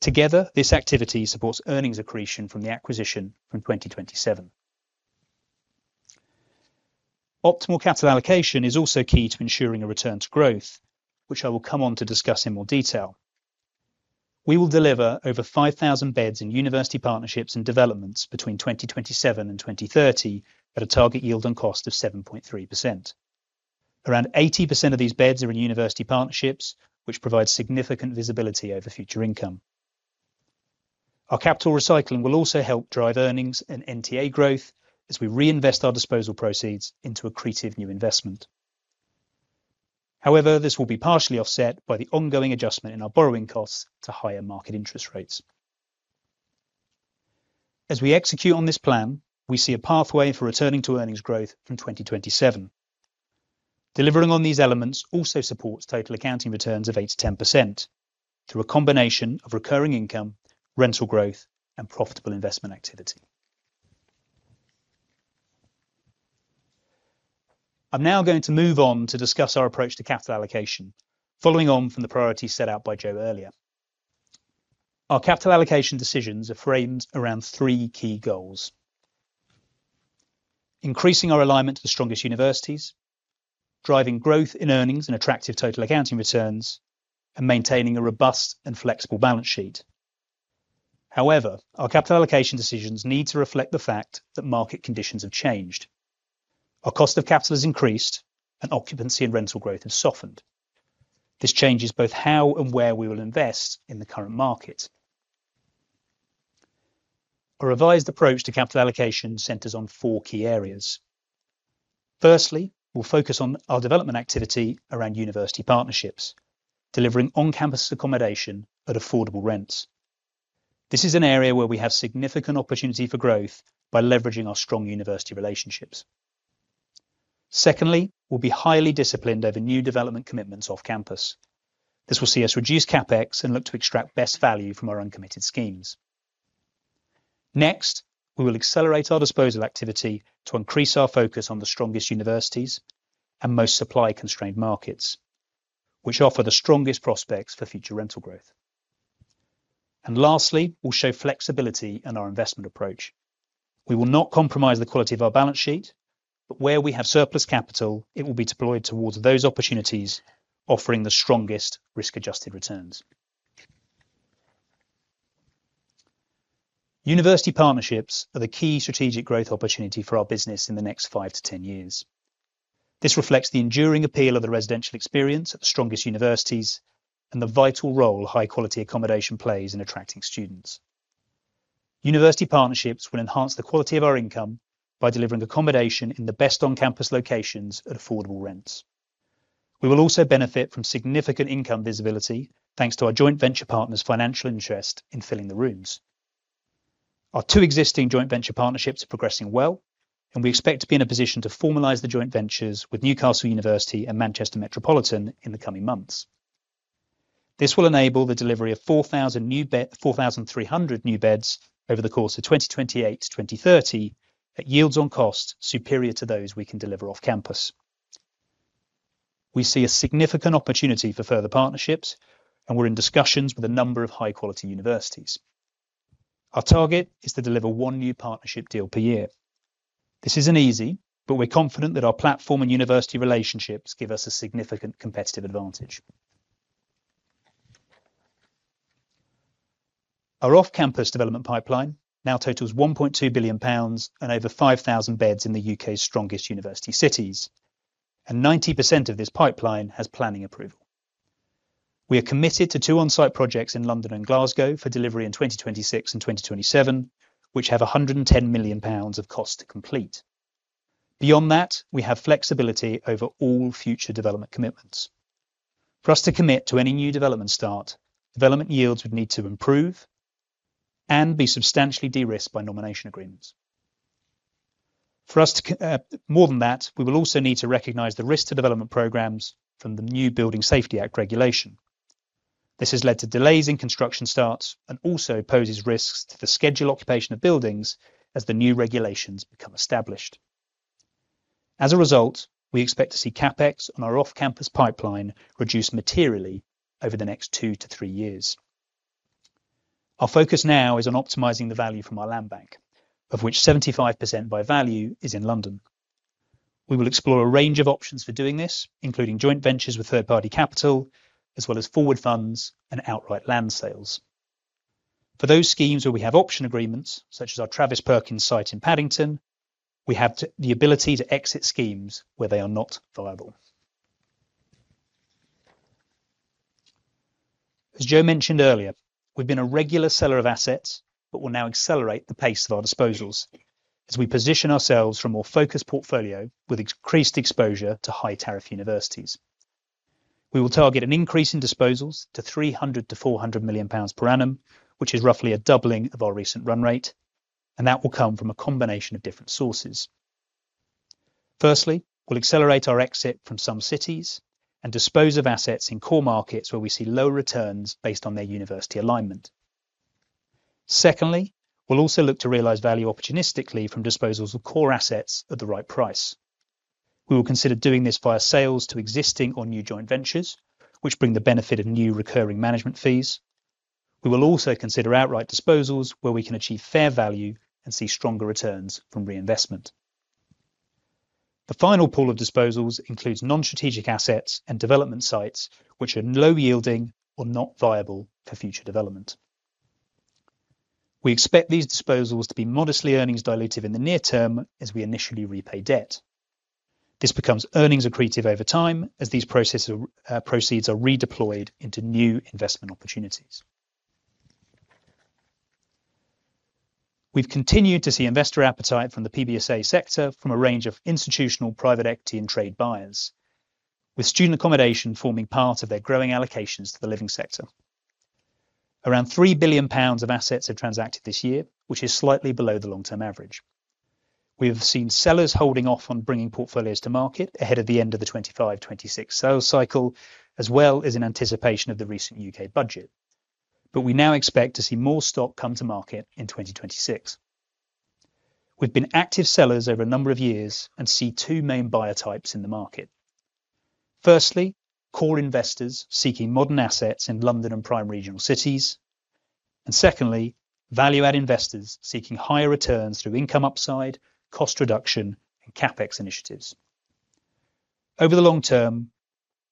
Together, this activity supports earnings accretion from the acquisition from 2027. Optimal capital allocation is also key to ensuring a return to growth, which I will come on to discuss in more detail. We will deliver over 5,000 beds in university partnerships and developments between 2027 and 2030 at a target yield on cost of 7.3%. Around 80% of these beds are in university partnerships, which provides significant visibility over future income. Our capital recycling will also help drive earnings and NTA growth as we reinvest our disposal proceeds into accretive new investment. However, this will be partially offset by the ongoing adjustment in our borrowing costs to higher market interest rates. As we execute on this plan, we see a pathway for returning to earnings growth from 2027. Delivering on these elements also supports total accounting returns of 8%-10% through a combination of recurring income, rental growth, and profitable investment activity. I'm now going to move on to discuss our approach to capital allocation, following on from the priorities set out by Joe earlier. Our capital allocation decisions are framed around three key goals: increasing our alignment to the strongest universities, driving growth in earnings and attractive total accounting returns, and maintaining a robust and flexible balance sheet. However, our capital allocation decisions need to reflect the fact that market conditions have changed. Our cost of capital has increased, and occupancy and rental growth have softened. This changes both how and where we will invest in the current market. A revised approach to capital allocation centers on four key areas. Firstly, we'll focus on our development activity around university partnerships, delivering on-campus accommodation at affordable rents. This is an area where we have significant opportunity for growth by leveraging our strong university relationships. Secondly, we'll be highly disciplined over new development commitments off-campus. This will see us reduce CapEx and look to extract best value from our uncommitted schemes. Next, we will accelerate our disposal activity to increase our focus on the strongest universities and most supply-constrained markets, which offer the strongest prospects for future rental growth. Lastly, we'll show flexibility in our investment approach. We will not compromise the quality of our balance sheet, but where we have surplus capital, it will be deployed towards those opportunities offering the strongest risk-adjusted returns. University partnerships are the key strategic growth opportunity for our business in the next five to ten years. This reflects the enduring appeal of the residential experience at the strongest universities and the vital role high-quality accommodation plays in attracting students. University partnerships will enhance the quality of our income by delivering accommodation in the best on-campus locations at affordable rents. We will also benefit from significant income visibility thanks to our joint venture partners' financial interest in filling the rooms. Our two existing joint venture partnerships are progressing well, and we expect to be in a position to formalize the joint ventures with Newcastle University and Manchester Metropolitan in the coming months. This will enable the delivery of 4,300 new beds over the course of 2028-2030 at yields on costs superior to those we can deliver off-campus. We see a significant opportunity for further partnerships, and we're in discussions with a number of high-quality universities. Our target is to deliver one new partnership deal per year. This isn't easy, but we're confident that our platform and university relationships give us a significant competitive advantage. Our off-campus development pipeline now totals 1.2 billion pounds and over 5,000 beds in the U.K.'s strongest university cities, and 90% of this pipeline has planning approval. We are committed to two on-site projects in London and Glasgow for delivery in 2026 and 2027, which have 110 million pounds of cost to complete. Beyond that, we have flexibility over all future development commitments. For us to commit to any new development start, development yields would need to improve and be substantially de-risked by nomination agreements. For us to do more than that, we will also need to recognize the risk to development programs from the new Building Safety Act regulation. This has led to delays in construction starts and also poses risks to the scheduled occupation of buildings as the new regulations become established. As a result, we expect to see CapEx on our off-campus pipeline reduce materially over the next two to three years. Our focus now is on optimizing the value from our land bank, of which 75% by value is in London. We will explore a range of options for doing this, including joint ventures with third-party capital, as well as forward funds and outright land sales. For those schemes where we have option agreements, such as our Travis Perkins site in Paddington, we have the ability to exit schemes where they are not viable. As Joe mentioned earlier, we've been a regular seller of assets, but we'll now accelerate the pace of our disposals as we position ourselves for a more focused portfolio with increased exposure to high-tariff universities. We will target an increase in disposals to 300 million-400 million pounds per annum, which is roughly a doubling of our recent run rate, and that will come from a combination of different sources. Firstly, we'll accelerate our exit from some cities and dispose of assets in core markets where we see low returns based on their university alignment. Secondly, we'll also look to realize value opportunistically from disposals of core assets at the right price. We will consider doing this via sales to existing or new joint ventures, which bring the benefit of new recurring management fees. We will also consider outright disposals where we can achieve fair value and see stronger returns from reinvestment. The final pool of disposals includes non-strategic assets and development sites which are low-yielding or not viable for future development. We expect these disposals to be modestly earnings dilutive in the near term as we initially repay debt. This becomes earnings accretive over time as these proceeds are redeployed into new investment opportunities. We've continued to see investor appetite from the PBSA sector from a range of institutional private equity and trade buyers, with student accommodation forming part of their growing allocations to the living sector. Around 3 billion pounds of assets have transacted this year, which is slightly below the long-term average. We have seen sellers holding off on bringing portfolios to market ahead of the end of the 2025-2026 sales cycle, as well as in anticipation of the recent U.K. budget, but we now expect to see more stock come to market in 2026. We've been active sellers over a number of years and see two main buyer types in the market. Firstly, core investors seeking modern assets in London and prime regional cities, and secondly, value-add investors seeking higher returns through income upside, cost reduction, and CapEx initiatives. Over the long term,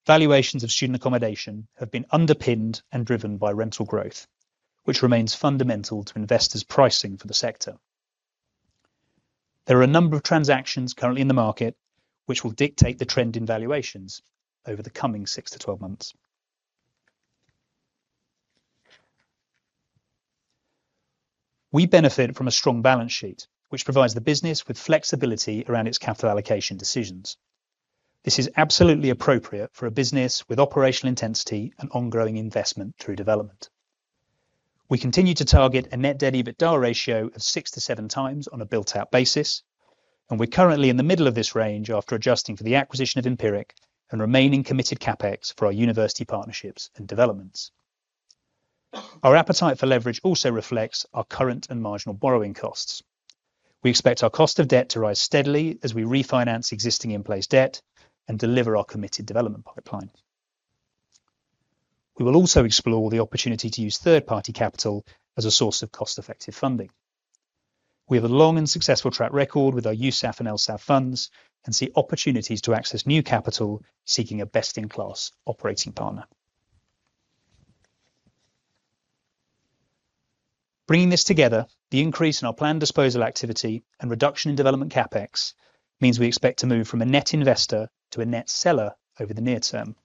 valuations of student accommodation have been underpinned and driven by rental growth, which remains fundamental to investors' pricing for the sector. There are a number of transactions currently in the market which will dictate the trend in valuations over the coming six to twelve months. We benefit from a strong balance sheet, which provides the business with flexibility around its capital allocation decisions. This is absolutely appropriate for a business with operational intensity and ongoing investment through development. We continue to target a net debt/equity ratio of 6x-7 on a built-out basis, and we're currently in the middle of this range after adjusting for the acquisition of Empiric and remaining committed CapEx for our university partnerships and developments. Our appetite for leverage also reflects our current and marginal borrowing costs. We expect our cost of debt to rise steadily as we refinance existing in-place debt and deliver our committed development pipeline. We will also explore the opportunity to use third-party capital as a source of cost-effective funding. We have a long and successful track record with our USAF and LSAV funds and see opportunities to access new capital seeking a best-in-class operating partner. Bringing this together, the increase in our planned disposal activity and reduction in development CapEx means we expect to move from a net investor to a net seller over the near term.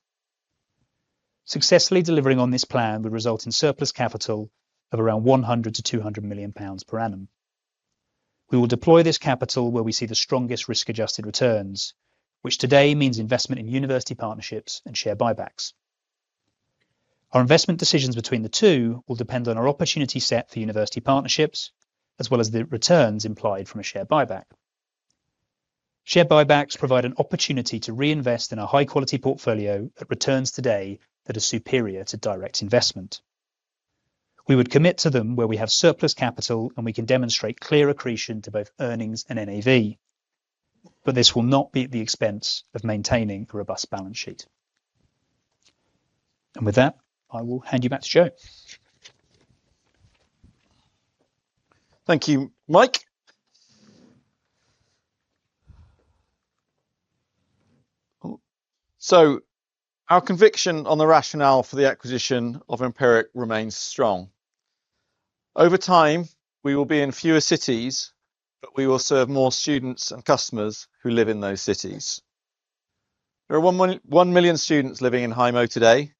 Successfully delivering on this plan would result in surplus capital of around 100 million-200 million pounds per annum. We will deploy this capital where we see the strongest risk-adjusted returns, which today means investment in university partnerships and share buybacks. Our investment decisions between the two will depend on our opportunity set for university partnerships, as well as the returns implied from a share buyback. Share buybacks provide an opportunity to reinvest in a high-quality portfolio at returns today that are superior to direct investment. We would commit to them where we have surplus capital and we can demonstrate clear accretion to both earnings and NAV, but this will not be at the expense of maintaining a robust balance sheet. With that, I will hand you back to Joe. Thank you, Mike. Our conviction on the rationale for the acquisition of Empiric remains strong. Over time, we will be in fewer cities, but we will serve more students and customers who live in those cities. There are one million students living in HMO today,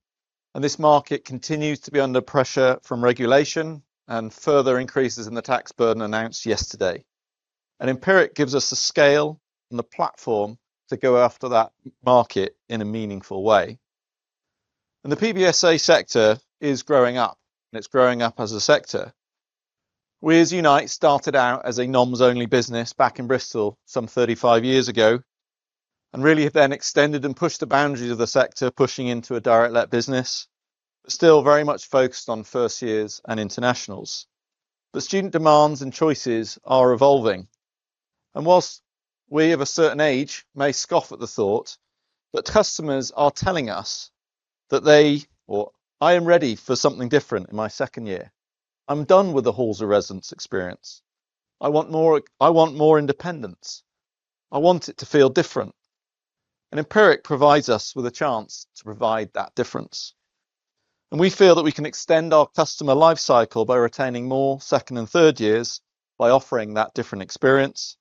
and this market continues to be under pressure from regulation and further increases in the tax burden announced yesterday. Empiric gives us the scale and the platform to go after that market in a meaningful way. The PBSA sector is growing up, and it is growing up as a sector. We as Unite started out as a NOMS-only business back in Bristol some 35 years ago, and really have then extended and pushed the boundaries of the sector, pushing into a direct-let business, but still very much focused on first-years and internationals. Student demands and choices are evolving. Whilst we of a certain age may scoff at the thought that customers are telling us that they, or I am ready for something different in my second year, I'm done with the halls of residence experience. I want more independence. I want it to feel different. Empiric provides us with a chance to provide that difference. We feel that we can extend our customer lifecycle by retaining more second and third years by offering that different experience.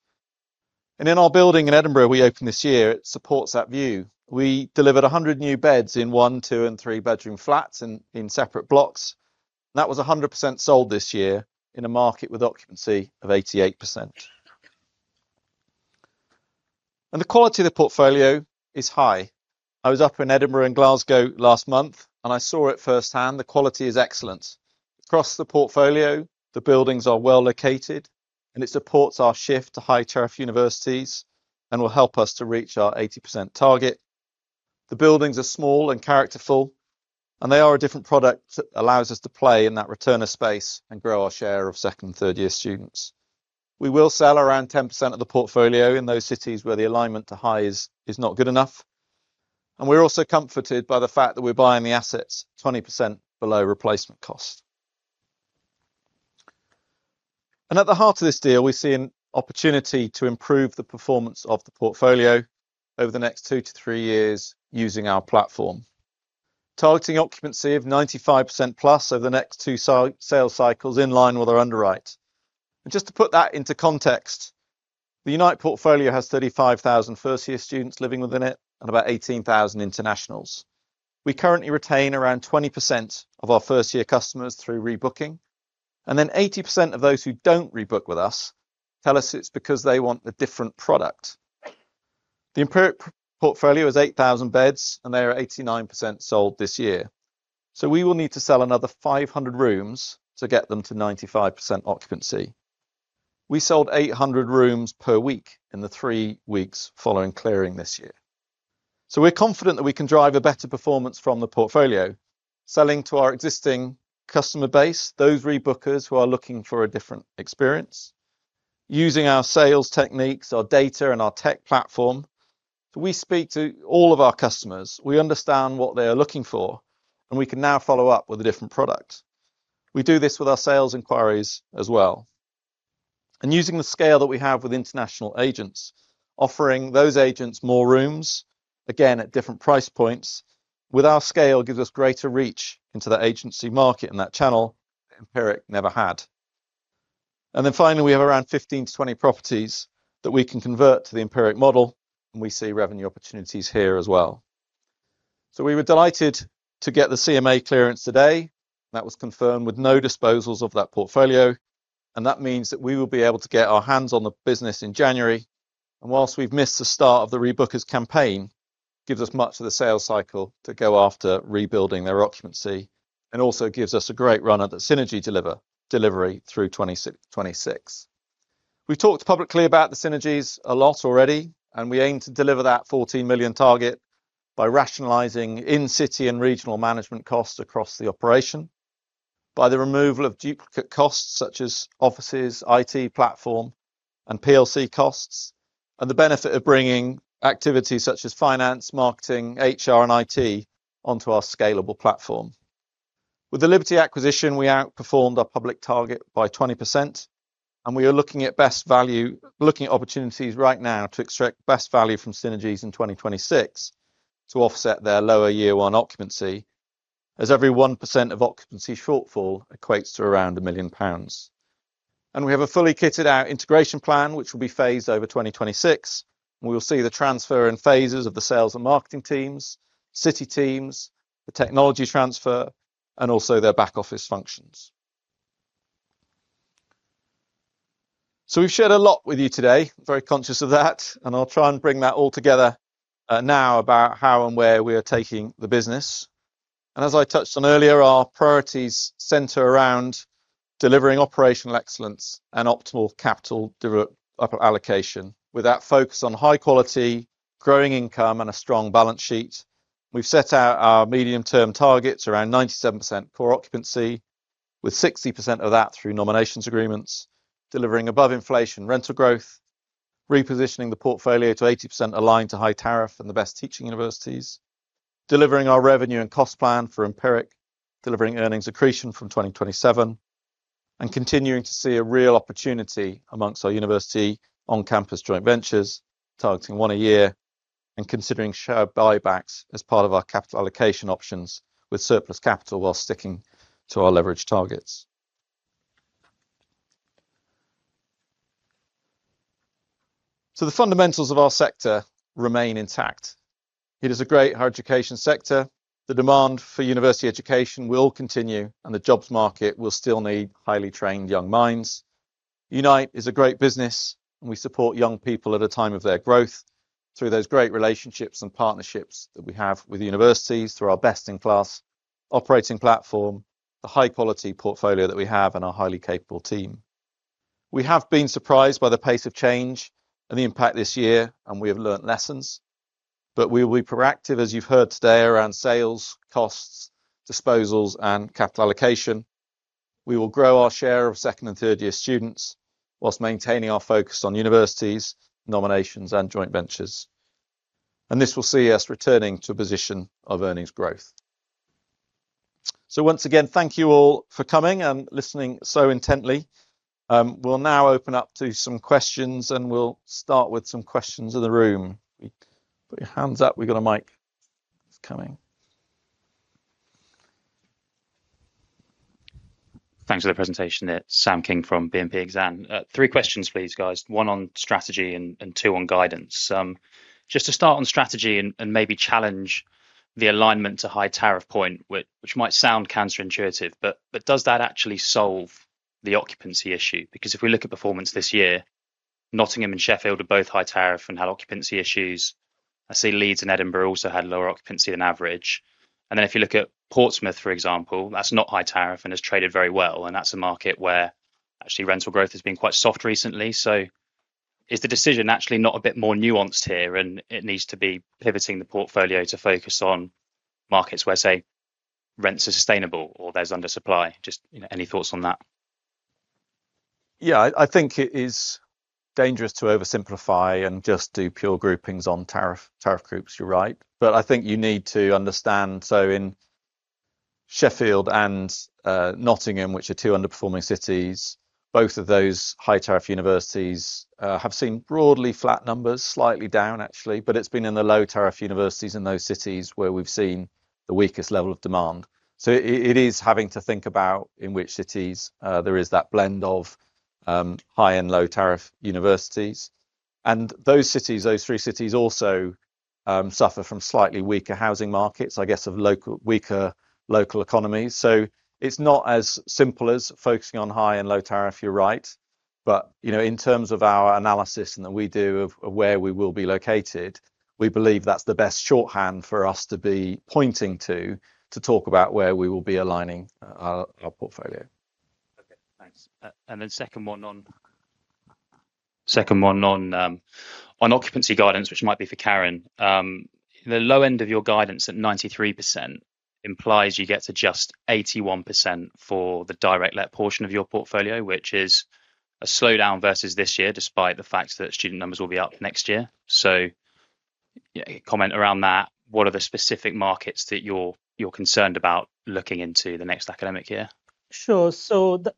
In our building in Edinburgh we opened this year, it supports that view. We delivered 100 new beds in one, two, and three-bedroom flats in separate blocks. That was 100% sold this year in a market with occupancy of 88%. The quality of the portfolio is high. I was up in Edinburgh and Glasgow last month, and I saw it firsthand. The quality is excellent. Across the portfolio, the buildings are well located, and it supports our shift to high-tariff universities and will help us to reach our 80% target. The buildings are small and characterful, and they are a different product that allows us to play in that return of space and grow our share of second and third-year students. We will sell around 10% of the portfolio in those cities where the alignment to high is not good enough. We are also comforted by the fact that we are buying the assets 20% below replacement cost. At the heart of this deal, we see an opportunity to improve the performance of the portfolio over the next two to three years using our platform, targeting occupancy of 95%+ over the next two sales cycles in line with our underwrite. Just to put that into context, the Unite portfolio has 35,000 first-year students living within it and about 18,000 internationals. We currently retain around 20% of our first-year customers through rebooking, and then 80% of those who do not rebook with us tell us it is because they want a different product. The Empiric portfolio is 8,000 beds, and they are 89% sold this year. We will need to sell another 500 rooms to get them to 95% occupancy. We sold 800 rooms per week in the three weeks following clearing this year. We are confident that we can drive a better performance from the portfolio, selling to our existing customer base, those rebookers who are looking for a different experience, using our sales techniques, our data, and our tech platform. We speak to all of our customers. We understand what they are looking for, and we can now follow up with a different product. We do this with our sales inquiries as well. Using the scale that we have with international agents, offering those agents more rooms, again at different price points, with our scale gives us greater reach into the agency market and that channel that Empiric never had. Finally, we have around 15-20 properties that we can convert to the Empiric model, and we see revenue opportunities here as well. We were delighted to get the CMA clearance today. That was confirmed with no disposals of that portfolio, and that means that we will be able to get our hands on the business in January. Whilst we've missed the start of the rebookers campaign, it gives us much of the sales cycle to go after rebuilding their occupancy and also gives us a great run at the synergy delivery through 2026. We've talked publicly about the synergies a lot already, and we aim to deliver that 14 million target by rationalizing in-city and regional management costs across the operation, by the removal of duplicate costs such as offices, IT platform, and PLC costs, and the benefit of bringing activities such as finance, marketing, HR, and IT onto our scalable platform. With the Liberty acquisition, we outperformed our public target by 20%, and we are looking at best value, looking at opportunities right now to extract best value from synergies in 2026 to offset their lower year-one occupancy, as every 1% of occupancy shortfall equates to around 1 million pounds. We have a fully kitted-out integration plan, which will be phased over 2026, and we will see the transfer in phases of the sales and marketing teams, city teams, the technology transfer, and also their back office functions. We have shared a lot with you today, very conscious of that, and I will try and bring that all together now about how and where we are taking the business. As I touched on earlier, our priorities centre around delivering operational excellence and optimal capital allocation with that focus on high quality, growing income, and a strong balance sheet. We've set out our medium-term targets around 97% core occupancy, with 60% of that through nominations agreements, delivering above inflation rental growth, repositioning the portfolio to 80% aligned to high-tariff and the best teaching universities, delivering our revenue and cost plan for Empiric, delivering earnings accretion from 2027, and continuing to see a real opportunity amongst our university on-campus joint ventures, targeting one a year, and considering share buybacks as part of our capital allocation options with surplus capital while sticking to our leverage targets. The fundamentals of our sector remain intact. It is a great higher education sector. The demand for university education will continue, and the jobs market will still need highly trained young minds. Unite is a great business, and we support young people at a time of their growth through those great relationships and partnerships that we have with universities, through our best-in-class operating platform, the high-quality portfolio that we have, and our highly capable team. We have been surprised by the pace of change and the impact this year, and we have learned lessons, but we will be proactive, as you've heard today, around sales, costs, disposals, and capital allocation. We will grow our share of second and third-year students whilst maintaining our focus on universities, nominations, and joint ventures, and this will see us returning to a position of earnings growth. Once again, thank you all for coming and listening so intently. We'll now open up to some questions, and we'll start with some questions in the room. Put your hands up. We've got a mic. It's coming. Thanks for the presentation. It's Sam King from BNP Exane. Three questions, please, guys. One on strategy and two on guidance. Just to start on strategy and maybe challenge the alignment to high-tariff point, which might sound counterintuitive, but does that actually solve the occupancy issue? Because if we look at performance this year, Nottingham and Sheffield are both high-tariff and had occupancy issues. I see Leeds and Edinburgh also had lower occupancy than average. If you look at Portsmouth, for example, that's not high-tariff and has traded very well, and that's a market where actually rental growth has been quite soft recently. Is the decision actually not a bit more nuanced here, and it needs to be pivoting the portfolio to focus on markets where, say, rents are sustainable or there's undersupply? Just any thoughts on that? Yeah, I think it is dangerous to oversimplify and just do pure groupings on tariff groups, you're right. I think you need to understand. In Sheffield and Nottingham, which are two underperforming cities, both of those high-tariff universities have seen broadly flat numbers, slightly down actually, but it's been in the low-tariff universities in those cities where we've seen the weakest level of demand. It is having to think about in which cities there is that blend of high and low-tariff universities. Those three cities also suffer from slightly weaker housing markets, I guess, of weaker local economies. It's not as simple as focusing on high and low-tariff, you're right. In terms of our analysis and that we do of where we will be located, we believe that's the best shorthand for us to be pointing to to talk about where we will be aligning our portfolio. Okay, thanks. The second one on occupancy guidance, which might be for Karan. The low end of your guidance at 93% implies you get to just 81% for the direct-let portion of your portfolio, which is a slowdown versus this year, despite the fact that student numbers will be up next year. Comment around that. What are the specific markets that you're concerned about looking into the next academic year? Sure.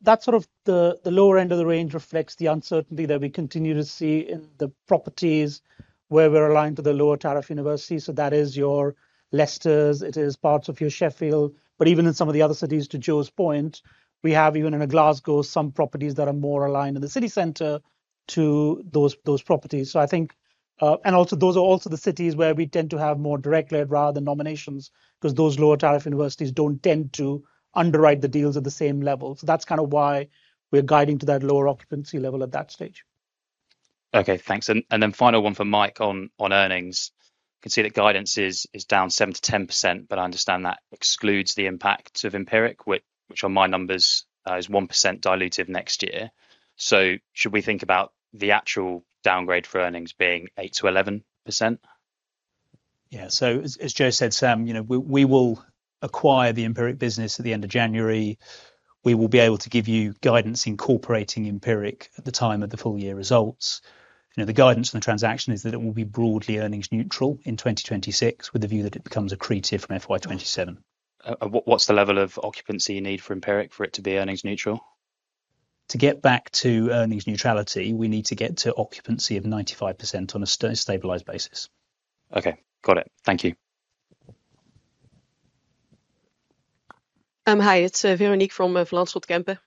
That sort of the lower end of the range reflects the uncertainty that we continue to see in the properties where we're aligned to the lower tariff university. That is your Leicesters, it is parts of your Sheffield. Even in some of the other cities, to Joe's point, we have even in Glasgow some properties that are more aligned in the city centre to those properties. I think, and also those are also the cities where we tend to have more direct-let rather than nominations because those lower tariff universities do not tend to underwrite the deals at the same level. That is kind of why we are guiding to that lower occupancy level at that stage. Okay, thanks. Final one for Mike on earnings. You can see that guidance is down 7%-10%, but I understand that excludes the impact of Empiric, which on my numbers is 1% dilutive next year. Should we think about the actual downgrade for earnings being 8%-11%? Yeah, as Joe said, Sam, we will acquire the Empiric business at the end of January. We will be able to give you guidance incorporating Empiric at the time of the full year results. The guidance and the transaction is that it will be broadly earnings neutral in 2026 with the view that it becomes accretive from FY 2027. What's the level of occupancy you need for Empiric for it to be earnings neutral? To get back to earnings neutrality, we need to get to occupancy of 95% on a stabilised basis. Okay, got it. Thank you. Hi, it's Veronique from Vlaams Rotkempe.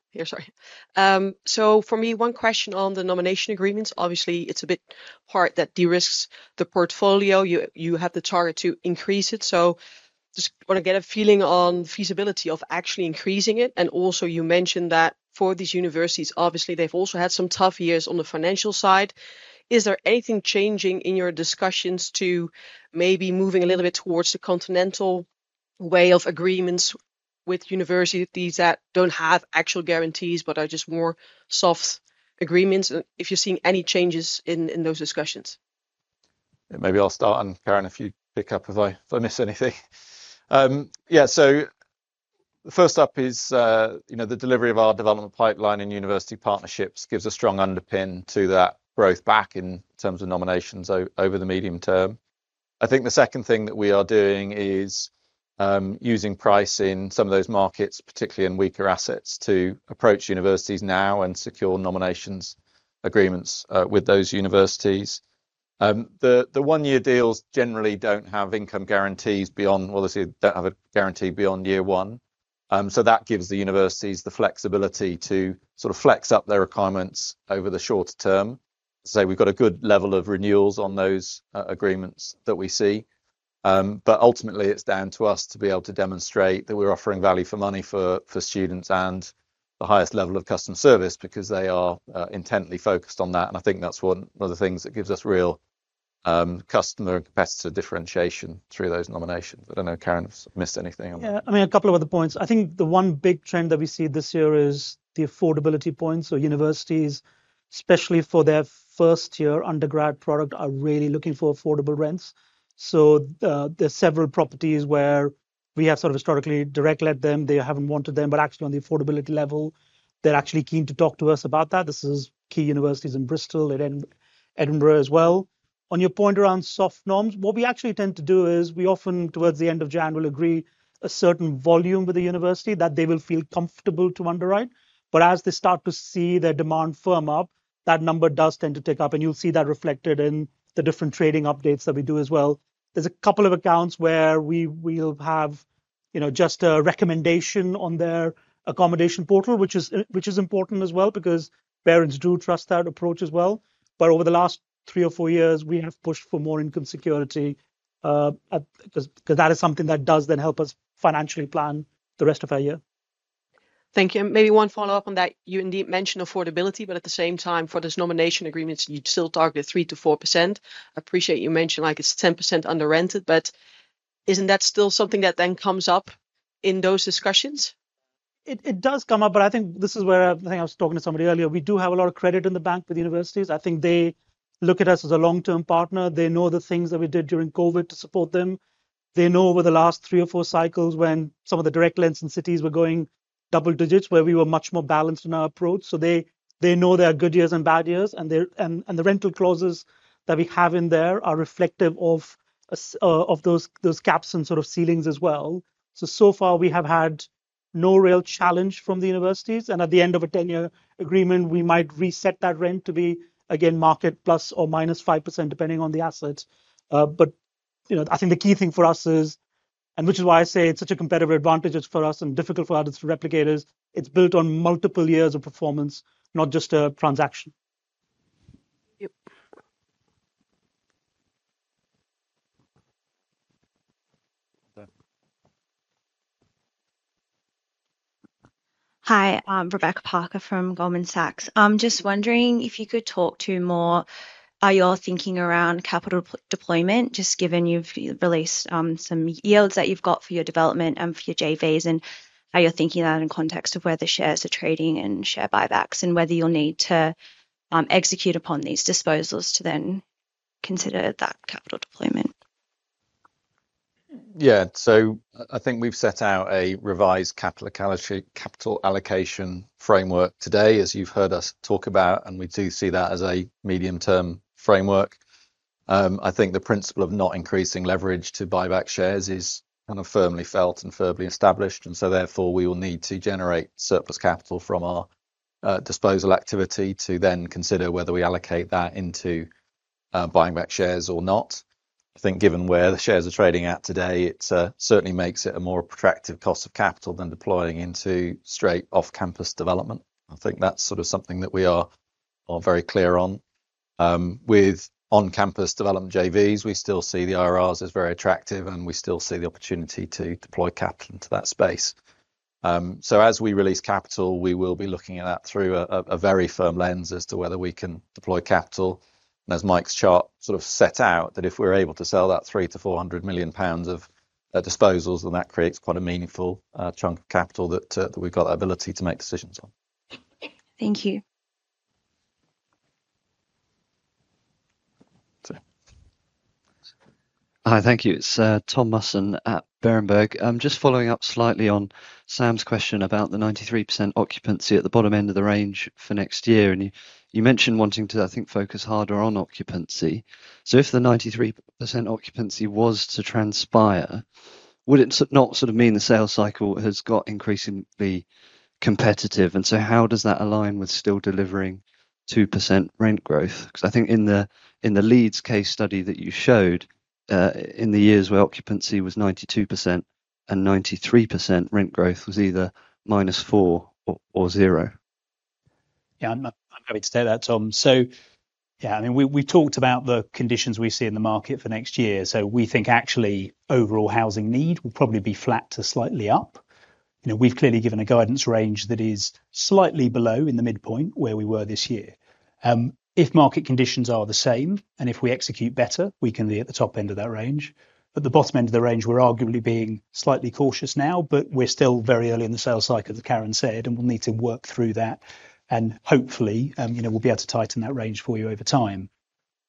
For me, one question on the nomination agreements. Obviously, it's a bit hard that de risks the portfolio. You have the target to increase it. I just want to get a feeling on the feasibility of actually increasing it. You mentioned that for these universities, obviously they've also had some tough years on the financial side. Is there anything changing in your discussions to maybe moving a little bit towards the continental way of agreements with universities that do not have actual guarantees but are just more soft agreements? Are you seeing any changes in those discussions? Maybe I'll start, and Karan, if you pick up if I miss anything. Yeah, first up is the delivery of our development pipeline and university partnerships, which gives a strong underpin to that growth back in terms of nominations over the medium term. I think the second thing that we are doing is using price in some of those markets, particularly in weaker assets, to approach universities now and secure nominations agreements with those universities. The one-year deals generally do not have income guarantees beyond, well, they do not have a guarantee beyond year one. That gives the universities the flexibility to sort of flex up their requirements over the shorter term. We have got a good level of renewals on those agreements that we see. Ultimately, it is down to us to be able to demonstrate that we are offering value for money for students and the highest level of customer service because they are intently focused on that. I think that is one of the things that gives us real customer and competitor differentiation through those nominations. I do not know, Karan, missed anything on that? Yeah, I mean, a couple of other points. I think the one big trend that we see this year is the affordability points. Universities, especially for their first-year undergrad product, are really looking for affordable rents. There are several properties where we have sort of historically direct-let them. They have not wanted them, but actually on the affordability level, they are actually keen to talk to us about that. This is key universities in Bristol, Edinburgh as well. On your point around soft norms, what we actually tend to do is we often, towards the end of January, agree a certain volume with the university that they will feel comfortable to underwrite. As they start to see their demand firm up, that number does tend to tick up. You will see that reflected in the different trading updates that we do as well. There are a couple of accounts where we will have just a recommendation on their accommodation portal, which is important as well because parents do trust that approach as well. Over the last three or four years, we have pushed for more income security because that is something that does then help us financially plan the rest of our year. Thank you. Maybe one follow-up on that. You indeed mentioned affordability, but at the same time, for those nominations agreements, you'd still target 3%-4%. I appreciate you mentioned like it's 10% under-rented, but isn't that still something that then comes up in those discussions? It does come up, but I think this is where I think I was talking to somebody earlier. We do have a lot of credit in the bank with universities. I think they look at us as a long-term partner. They know the things that we did during COVID to support them. They know over the last three or four cycles when some of the direct lets in cities were going double digits, where we were much more balanced in our approach. They know there are good years and bad years, and the rental clauses that we have in there are reflective of those gaps and sort of ceilings as well. So far, we have had no real challenge from the universities. At the end of a 10-year agreement, we might reset that rent to be, again, market ±5% depending on the assets. I think the key thing for us is, and which is why I say it's such a competitive advantage for us and difficult for others to replicate, is it's built on multiple years of performance, not just a transaction. Hi, Rebecca Parker from Goldman Sachs. I'm just wondering if you could talk to more how you're thinking around capital deployment, just given you've released some yields that you've got for your development and for your JVs, and how you're thinking about it in context of where the shares are trading and share buybacks and whether you'll need to execute upon these disposals to then consider that capital deployment. Yeah, I think we've set out a revised capital allocation framework today, as you've heard us talk about, and we do see that as a medium-term framework. I think the principle of not increasing leverage to buy back shares is kind of firmly felt and firmly established, and therefore we will need to generate surplus capital from our disposal activity to then consider whether we allocate that into buying back shares or not. I think given where the shares are trading at today, it certainly makes it a more attractive cost of capital than deploying into straight off-campus development. I think that's sort of something that we are very clear on. With on-campus development JVs, we still see the IRRs as very attractive, and we still see the opportunity to deploy capital into that space. As we release capital, we will be looking at that through a very firm lens as to whether we can deploy capital. As Mike's chart sort of set out, if we're able to sell that 300 million-400 million pounds of disposals, then that creates quite a meaningful chunk of capital that we've got the ability to make decisions on. Thank you. Hi, thank you. It's Tom Musson at Berenberg. I'm just following up slightly on Sam's question about the 93% occupancy at the bottom end of the range for next year. You mentioned wanting to, I think, focus harder on occupancy. If the 93% occupancy was to transpire, would it not sort of mean the sales cycle has got increasingly competitive? How does that align with still delivering 2% rent growth? I think in the Leeds case study that you showed, in the years where occupancy was 92% and 93%, rent growth was either -4 or zero. Yeah, I'm happy to take that, Tom. Yeah, I mean, we talked about the conditions we see in the market for next year. We think actually overall housing need will probably be flat to slightly up. We've clearly given a guidance range that is slightly below in the midpoint where we were this year. If market conditions are the same, and if we execute better, we can be at the top end of that range. At the bottom end of the range, we're arguably being slightly cautious now, but we're still very early in the sales cycle, as Karan said, and we'll need to work through that. Hopefully, we'll be able to tighten that range for you over time.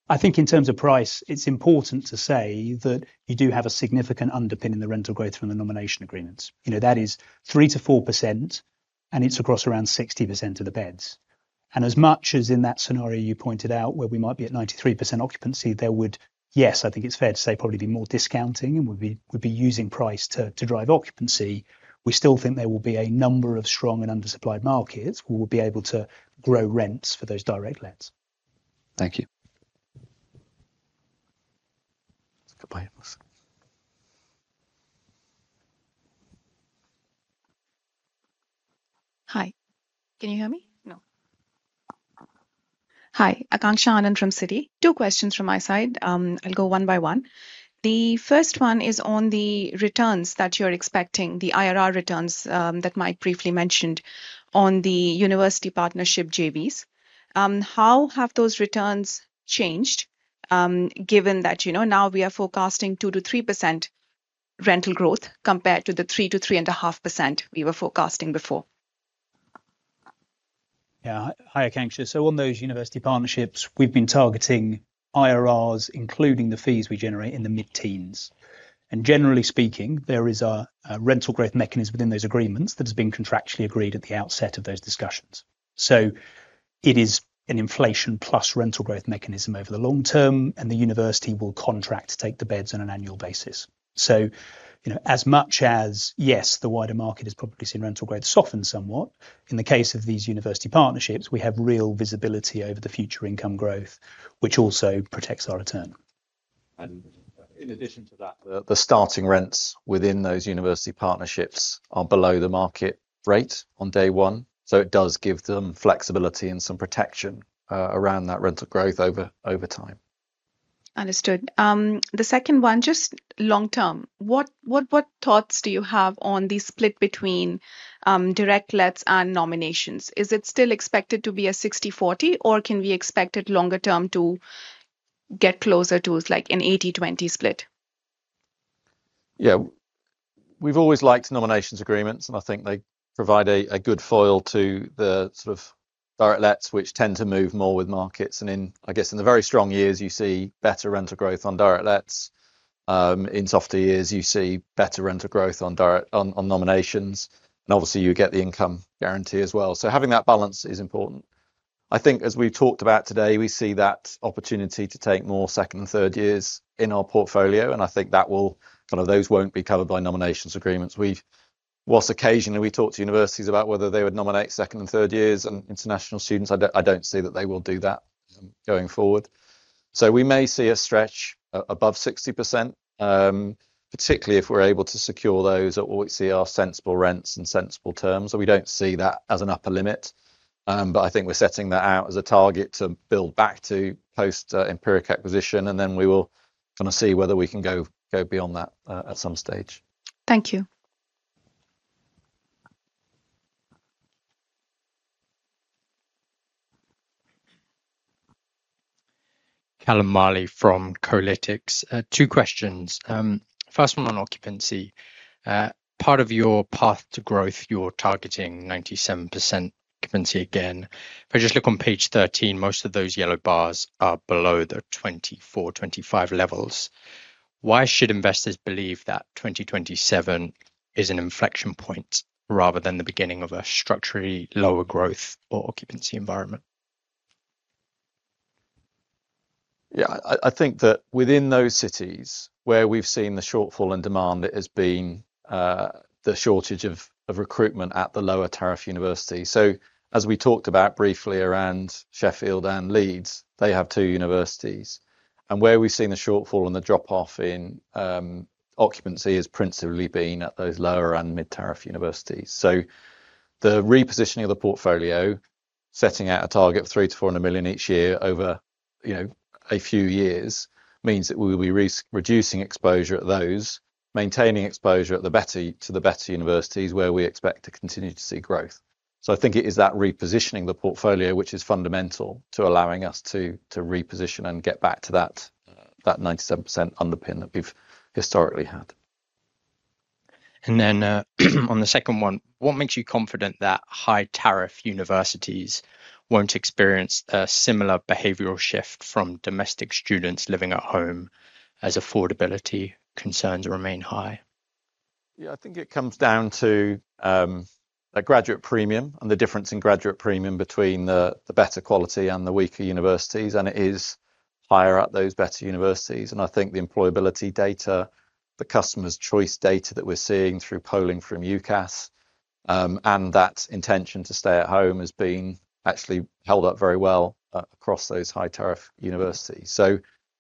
I think in terms of price, it's important to say that you do have a significant underpin in the rental growth from the nominations agreements. That is 3%-4%, and it's across around 60% of the beds. As much as in that scenario you pointed out where we might be at 93% occupancy, there would, yes, I think it's fair to say probably be more discounting and we'd be using price to drive occupancy. We still think there will be a number of strong and undersupplied markets where we'll be able to grow rents for those direct lets. Thank you. Hi, can you hear me? No. Hi, Aakanksha Anand from Citi. Two questions from my side. I'll go one by one. The first one is on the returns that you're expecting, the IRR returns that Mike briefly mentioned on the university partnership JVs. How have those returns changed given that now we are forecasting 2%-3% rental growth compared to the 3%-3.5% we were forecasting before? Yeah, hi, Aakanksha. On those university partnerships, we've been targeting IRRs, including the fees we generate, in the mid-teens. Generally speaking, there is a rental growth mechanism within those agreements that has been contractually agreed at the outset of those discussions. It is an inflation plus rental growth mechanism over the long term, and the university will contract to take the beds on an annual basis. As much as, yes, the wider market is probably seeing rental growth soften somewhat, in the case of these university partnerships, we have real visibility over the future income growth, which also protects our return. In addition to that, the starting rents within those university partnerships are below the market rate on day one. It does give them flexibility and some protection around that rental growth over time. Understood. The second one, just long term, what thoughts do you have on the split between direct lets and nominations? Is it still expected to be a 60/40, or can we expect it longer term to get closer to like an 80/20 split? Yeah, we've always liked nominations agreements, and I think they provide a good foil to the sort of direct lets, which tend to move more with markets. I guess in the very strong years, you see better rental growth on direct lets. In softer years, you see better rental growth on nominations. Obviously, you get the income guarantee as well. Having that balance is important. I think as we've talked about today, we see that opportunity to take more second and third years in our portfolio. I think that will kind of, those won't be covered by nominations agreements. Whilst occasionally we talk to universities about whether they would nominate second and third years and international students, I don't see that they will do that going forward. We may see a stretch above 60%, particularly if we're able to secure those at what we see are sensible rents and sensible terms. We don't see that as an upper limit. I think we're setting that out as a target to build back to post-Empiric acquisition. We will kind of see whether we can go beyond that at some stage. Thank you. Callum Marley from Kolytics. Two questions. First one on occupancy. Part of your path to growth, you're targeting 97% occupancy again. If I just look on page 13, most of those yellow bars are below the 2024, 2025 levels. Why should investors believe that 2027 is an inflection point rather than the beginning of a structurally lower growth or occupancy environment? Yeah, I think that within those cities where we've seen the shortfall in demand, it has been the shortage of recruitment at the lower tariff universities. As we talked about briefly around Sheffield and Leeds, they have two universities. Where we've seen the shortfall and the drop-off in occupancy has principally been at those lower and mid-tariff universities. The repositioning of the portfolio, setting out a target of 300 million-400 million each year over a few years, means that we will be reducing exposure at those, maintaining exposure at the better universities where we expect to continue to see growth. I think it is that repositioning the portfolio, which is fundamental to allowing us to reposition and get back to that 97% underpin that we've historically had. On the second one, what makes you confident that high-tariff universities will not experience a similar behavioral shift from domestic students living at home as affordability concerns remain high? I think it comes down to the graduate premium and the difference in graduate premium between the better quality and the weaker universities. It is higher at those better universities. I think the employability data, the customer's choice data that we are seeing through polling from UCAS, and that intention to stay at home has actually held up very well across those high-tariff universities.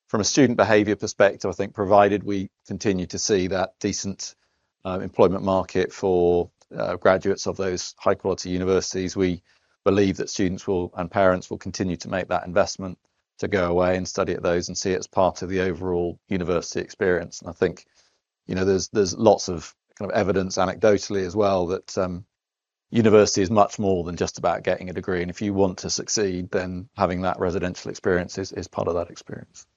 From a student behavior perspective, I think provided we continue to see that decent employment market for graduates of those high-quality universities, we believe that students and parents will continue to make that investment to go away and study at those and see it as part of the overall university experience. I think there is lots of kind of evidence anecdotally as well that university is much more than just about getting a degree. If you want to succeed, then having that residential experience is part of that experience.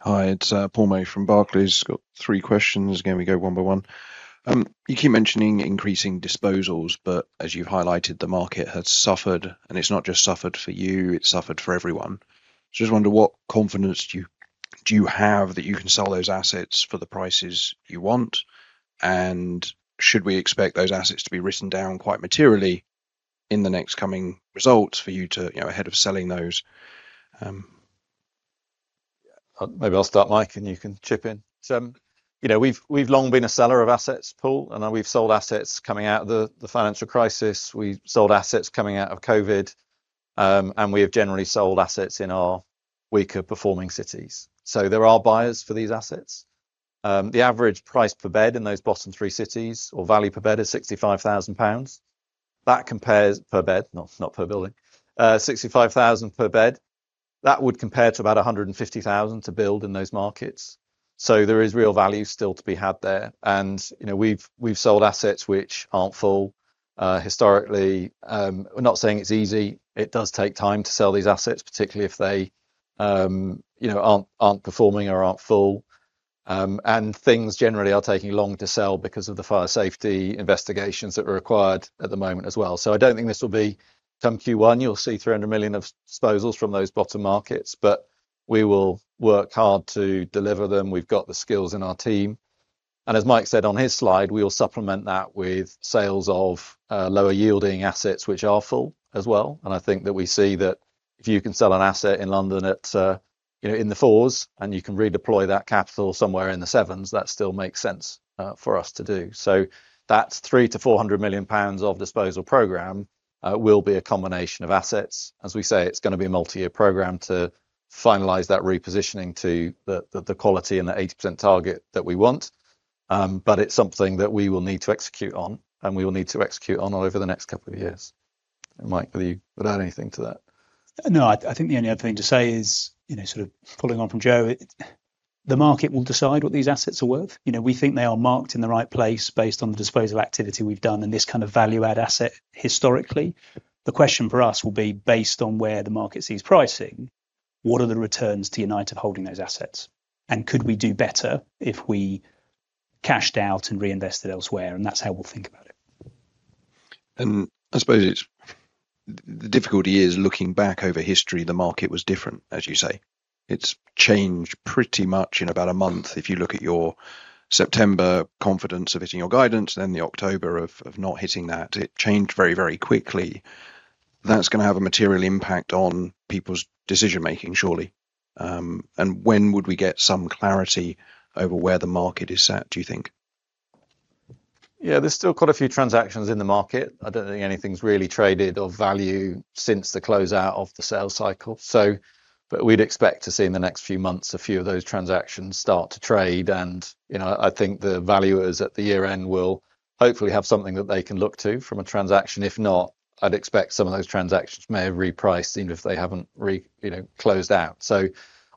Hi, it is Paul May from Barclays. Got three questions. Can we go one by one? You keep mentioning increasing disposals, but as you have highlighted, the market has suffered. It is not just suffered for you, it has suffered for everyone. I just wonder what confidence do you have that you can sell those assets for the prices you want? Should we expect those assets to be written down quite materially in the next coming results for you ahead of selling those? Maybe I'll start, Mike, and you can chip in. We've long been a seller of assets, Paul, and we've sold assets coming out of the financial crisis. We sold assets coming out of COVID, and we have generally sold assets in our weaker performing cities. There are buyers for these assets. The average price per bed in those bottom three cities or value per bed is 65,000 pounds. That compares per bed, not per building, 65,000 per bed. That would compare to about 150,000 to build in those markets. There is real value still to be had there. We've sold assets which aren't full historically. I'm not saying it's easy. It does take time to sell these assets, particularly if they are not performing or are not full. Things generally are taking longer to sell because of the fire safety investigations that are required at the moment as well. I do not think this will be come Q1. You will see 300 million of disposals from those bottom markets, but we will work hard to deliver them. We have got the skills in our team. As Mike said on his slide, we will supplement that with sales of lower yielding assets, which are full as well. I think that we see that if you can sell an asset in London in the fours, and you can redeploy that capital somewhere in the sevens, that still makes sense for us to do. That 300 million- 400 million pounds of disposal program will be a combination of assets. As we say, it's going to be a multi-year program to finalize that repositioning to the quality and the 80% target that we want. It is something that we will need to execute on, and we will need to execute on over the next couple of years. Mike, are you without anything to add to that? No, I think the only other thing to say is, sort of pulling on from Joe, the market will decide what these assets are worth. We think they are marked in the right place based on the disposal activity we've done and this kind of value-add asset historically. The question for us will be, based on where the market sees pricing, what are the returns to Unite of holding those assets? Could we do better if we cashed out and reinvested elsewhere? That is how we will think about it. I suppose the difficulty is looking back over history, the market was different, as you say. It's changed pretty much in about a month. If you look at your September confidence of hitting your guidance, then the October of not hitting that, it changed very, very quickly. That's going to have a material impact on people's decision-making, surely. When would we get some clarity over where the market is sat, do you think? Yeah, there's still quite a few transactions in the market. I don't think anything's really traded or valued since the closeout of the sales cycle. We would expect to see in the next few months a few of those transactions start to trade. I think the valuers at the year-end will hopefully have something that they can look to from a transaction. If not, I'd expect some of those transactions may have repriced even if they haven't closed out.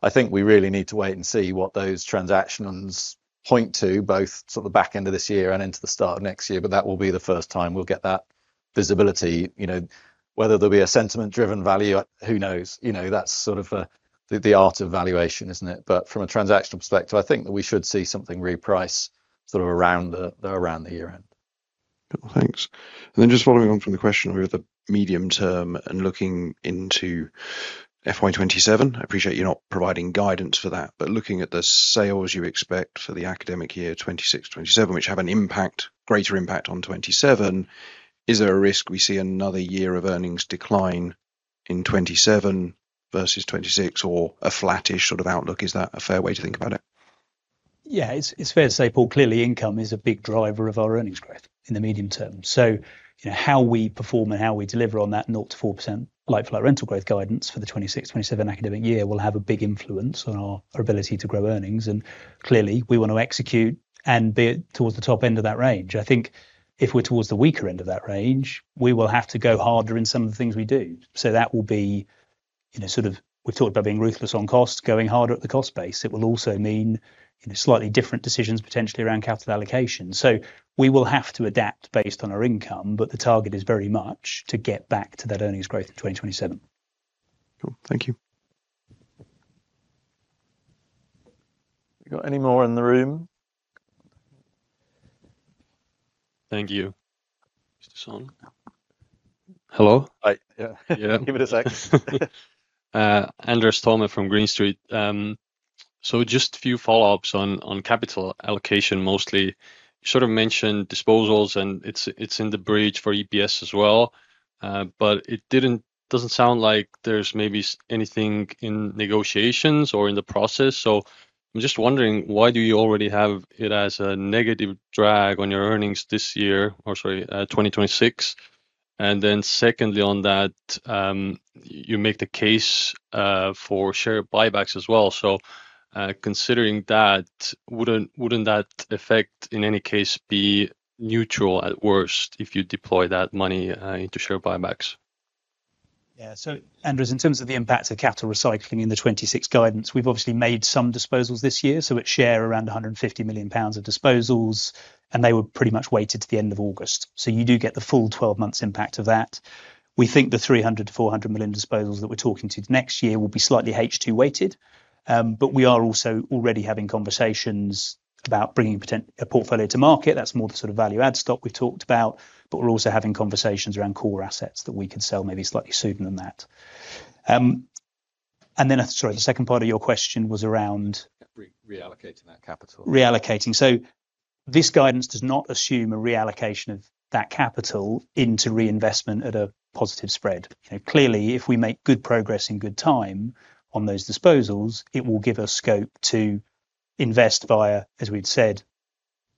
I think we really need to wait and see what those transactions point to, both sort of the back end of this year and into the start of next year. That will be the first time we'll get that visibility. Whether there'll be a sentiment-driven value, who knows? That's sort of the art of valuation, isn't it? From a transactional perspective, I think that we should see something reprice sort of around the year-end. Thanks. Just following on from the question of the medium term and looking into FY 2027, I appreciate you're not providing guidance for that, but looking at the sales you expect for the academic year 2026-2027, which have an impact, greater impact on 2027, is there a risk we see another year of earnings decline in 2027 versus 2026 or a flattish sort of outlook? Is that a fair way to think about it? Yeah, it's fair to say, Paul, clearly income is a big driver of our earnings growth in the medium term. How we perform and how we deliver on that 0-4% like flat rental growth guidance for the 2026-2027 academic year will have a big influence on our ability to grow earnings. Clearly, we want to execute and be towards the top end of that range. I think if we're towards the weaker end of that range, we will have to go harder in some of the things we do. That will be sort of we've talked about being ruthless on costs, going harder at the cost base. It will also mean slightly different decisions potentially around capital allocation. We will have to adapt based on our income, but the target is very much to get back to that earnings growth in 2027. Thank you. We got any more in the room? Thank you. Mr. Toome. Hello? Yeah. Give it a sec. Andres Toome from Green Street. Just a few follow-ups on capital allocation mostly. You sort of mentioned disposals and it's in the bridge for EPS as well. It does not sound like there's maybe anything in negotiations or in the process. I'm just wondering, why do you already have it as a negative drag on your earnings this year or sorry, 2026? Secondly on that, you make the case for share buybacks as well. Considering that, would not that effect in any case be neutral at worst if you deploy that money into share buybacks? Yeah. Andres, in terms of the impact of capital recycling in the 2026 guidance, we've obviously made some disposals this year. It is around 150 million pounds of disposals, and they were pretty much weighted to the end of August. You do get the full 12 months impact of that. We think the 300 million-400 million disposals that we're talking to next year will be slightly H2 weighted. We are also already having conversations about bringing a portfolio to market. That's more the sort of value-add stock we've talked about. We are also having conversations around core assets that we can sell maybe slightly sooner than that. Sorry, the second part of your question was around reallocating that capital. Reallocating. This guidance does not assume a reallocation of that capital into reinvestment at a positive spread. Clearly, if we make good progress in good time on those disposals, it will give us scope to invest via, as we'd said,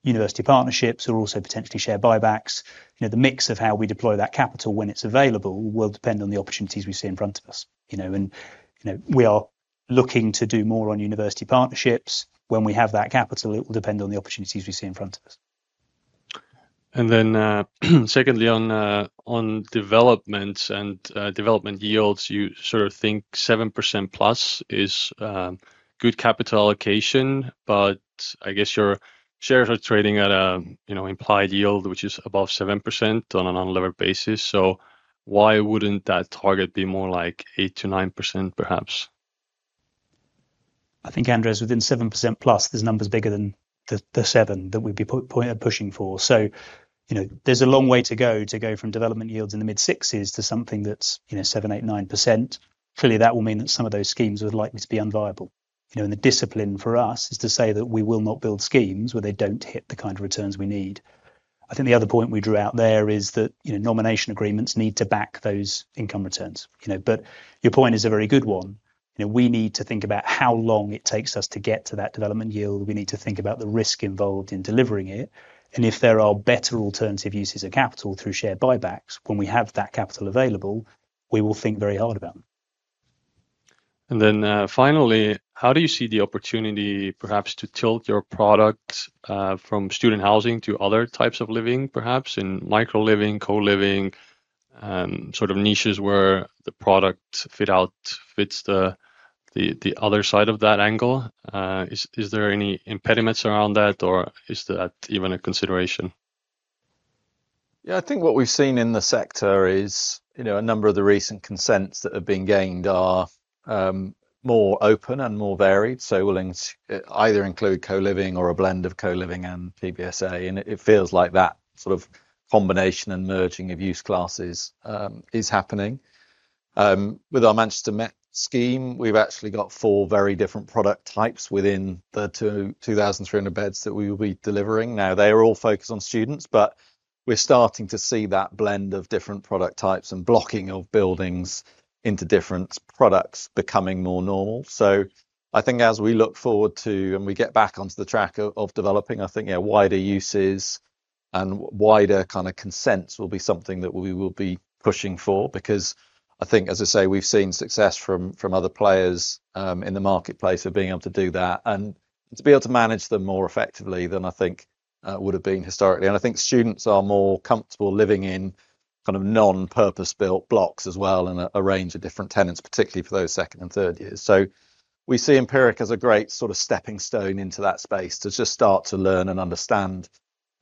university partnerships or also potentially share buybacks. The mix of how we deploy that capital when it's available will depend on the opportunities we see in front of us. We are looking to do more on university partnerships. When we have that capital, it will depend on the opportunities we see in front of us. Secondly on developments and development yields, you sort of think 7%+ is good capital allocation, but I guess your shares are trading at an implied yield, which is above 7% on an unlevered basis. Why would not that target be more like 8%-9% perhaps? I think, Anders, within 7%+ there are numbers bigger than the 7% that we would be pushing for. There is a long way to go to go from development yields in the mid-sixes to something that is 7%, 8%, 9%. Clearly, that will mean that some of those schemes would likely be unviable. The discipline for us is to say that we will not build schemes where they do not hit the kind of returns we need. I think the other point we drew out there is that nomination agreements need to back those income returns. Your point is a very good one. We need to think about how long it takes us to get to that development yield. We need to think about the risk involved in delivering it. If there are better alternative uses of capital through share buybacks, when we have that capital available, we will think very hard about them. Finally, how do you see the opportunity perhaps to tilt your product from student housing to other types of living, perhaps in micro-living, co-living, sort of niches where the product fits the other side of that angle? Is there any impediments around that, or is that even a consideration? Yeah, I think what we've seen in the sector is a number of the recent consents that have been gained are more open and more varied. Willing to either include co-living or a blend of co-living and PBSA. It feels like that sort of combination and merging of use classes is happening. With our Manchester Met scheme, we've actually got four very different product types within the 2,300 beds that we will be delivering. Now, they are all focused on students, but we're starting to see that blend of different product types and blocking of buildings into different products becoming more normal. I think as we look forward to and we get back onto the track of developing, I think wider uses and wider kind of consents will be something that we will be pushing for. Because I think, as I say, we've seen success from other players in the marketplace of being able to do that and to be able to manage them more effectively than I think would have been historically. I think students are more comfortable living in kind of non-purpose-built blocks as well and a range of different tenants, particularly for those second and third years. We see Empiric as a great sort of stepping stone into that space to just start to learn and understand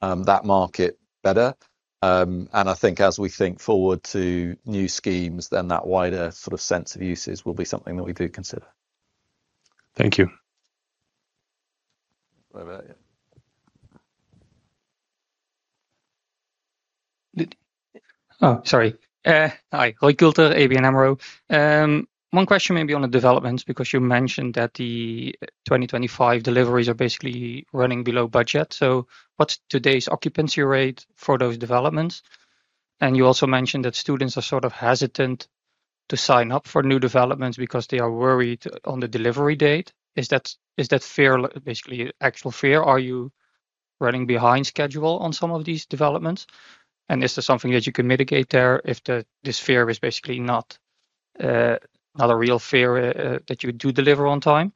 that market better. I think as we think forward to new schemes, then that wider sort of sense of uses will be something that we do consider. Thank you. Sorry. Hi, John Heijning, ABN AMRO. One question maybe on the developments because you mentioned that the 2025 deliveries are basically running below budget. What's today's occupancy rate for those developments? You also mentioned that students are sort of hesitant to sign up for new developments because they are worried on the delivery date. Is that fear basically actual fear? Are you running behind schedule on some of these developments? Is there something that you can mitigate there if this fear is basically not a real fear that you do deliver on time?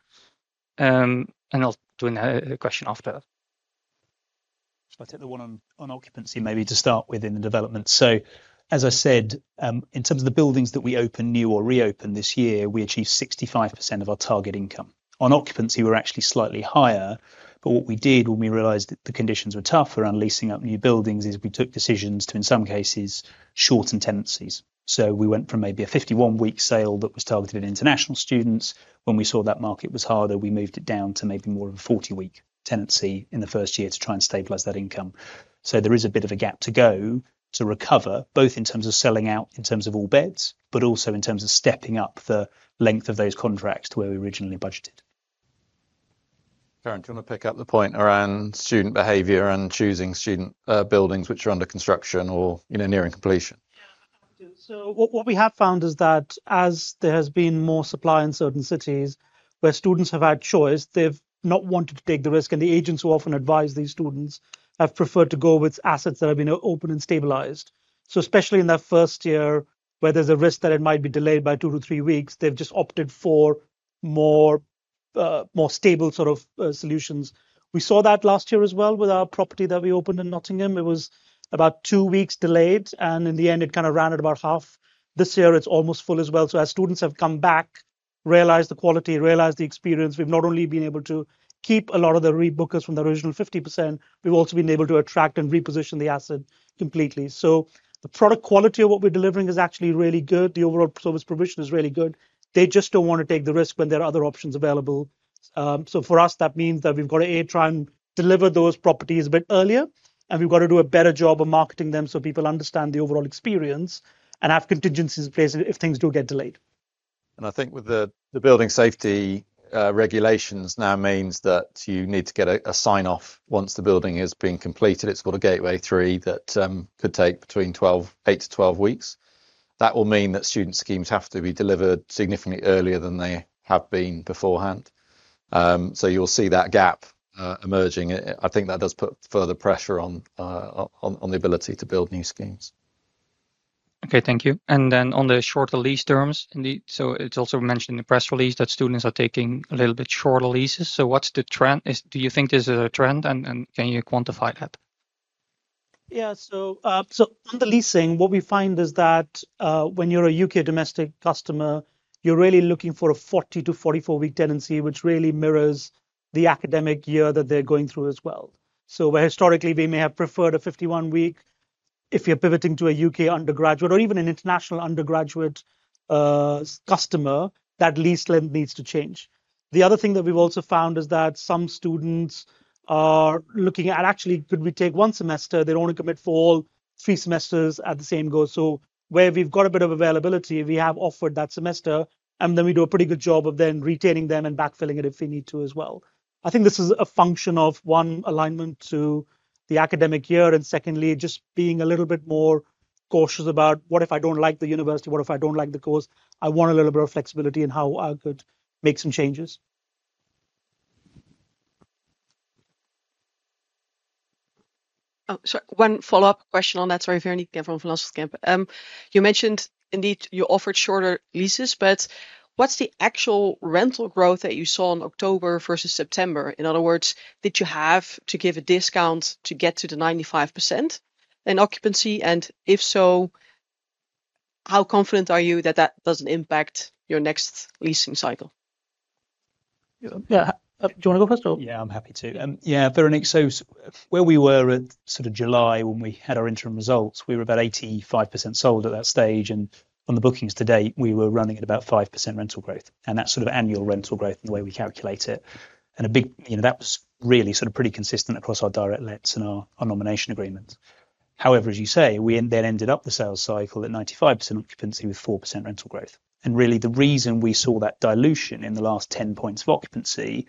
I'll do a question after that. I'll take the one on occupancy maybe to start with in the development. As I said, in terms of the buildings that we open new or reopen this year, we achieved 65% of our target income. On occupancy, we're actually slightly higher. What we did when we realized that the conditions were tough around leasing up new buildings is we took decisions to, in some cases, shorten tenancies. We went from maybe a 51-week sale that was targeted at international students. When we saw that market was harder, we moved it down to maybe more of a 40-week tenancy in the first year to try and stabilize that income. There is a bit of a gap to go to recover, both in terms of selling out in terms of all beds, but also in terms of stepping up the length of those contracts to where we originally budgeted. Karan, do you want to pick up the point around student behavior and choosing student buildings which are under construction or nearing completion? What we have found is that as there has been more supply in certain cities where students have had choice, they've not wanted to take the risk. The agents who often advise these students have preferred to go with assets that have been open and stabilized. Especially in that first year where there is a risk that it might be delayed by two to three weeks, they've just opted for more stable sort of solutions. We saw that last year as well with our property that we opened in Nottingham. It was about two weeks delayed. In the end, it kind of ran at about half. This year, it is almost full as well. As students have come back, realized the quality, realized the experience, we have not only been able to keep a lot of the rebookers from the original 50%, we have also been able to attract and reposition the asset completely. The product quality of what we are delivering is actually really good. The overall service provision is really good. They just do not want to take the risk when there are other options available. For us, that means that we have to try and deliver those properties a bit earlier. We have to do a better job of marketing them so people understand the overall experience and have contingencies in place if things do get delayed. I think with the building safety regulations now, you need to get a sign-off once the building has been completed. It's called a gateway three that could take between 8-12 weeks. That will mean that student schemes have to be delivered significantly earlier than they have been beforehand. You will see that gap emerging. I think that does put further pressure on the ability to build new schemes. Thank you. On the shorter lease terms, it is also mentioned in the press release that students are taking a little bit shorter leases. What is the trend? Do you think this is a trend? Can you quantify that? Yeah, on the leasing, what we find is that when you're a U.K. domestic customer, you're really looking for a 40-44 week tenancy, which really mirrors the academic year that they're going through as well. Where historically we may have preferred a 51-week, if you're pivoting to a U.K. undergraduate or even an international undergraduate customer, that lease length needs to change. The other thing that we've also found is that some students are looking at actually, could we take one semester? They do not want to commit for all three semesters at the same go. Where we've got a bit of availability, we have offered that semester, and then we do a pretty good job of then retaining them and backfilling it if we need to as well. I think this is a function of, one, alignment to the academic year, and secondly, just being a little bit more cautious about what if I do not like the university, what if I do not like the course, I want a little bit of flexibility in how I could make some changes. Oh, sorry, one follow-up question on that. Sorry if you are anything from Philosopher's Camp. You mentioned indeed you offered shorter leases, but what is the actual rental growth that you saw in October versus September? In other words, did you have to give a discount to get to the 95% in occupancy? If so, how confident are you that that does not impact your next leasing cycle? Yeah, do you want to go first or? Yeah, I am happy to. Yeah, Veronique, where we were at sort of July when we had our interim results, we were about 85% sold at that stage. On the bookings to date, we were running at about 5% rental growth. That is sort of annual rental growth in the way we calculate it. That was really pretty consistent across our direct letts and our nomination agreements. However, as you say, we ended up the sales cycle at 95% occupancy with 4% rental growth. Really, the reason we saw that dilution in the last 10 percentage points of occupancy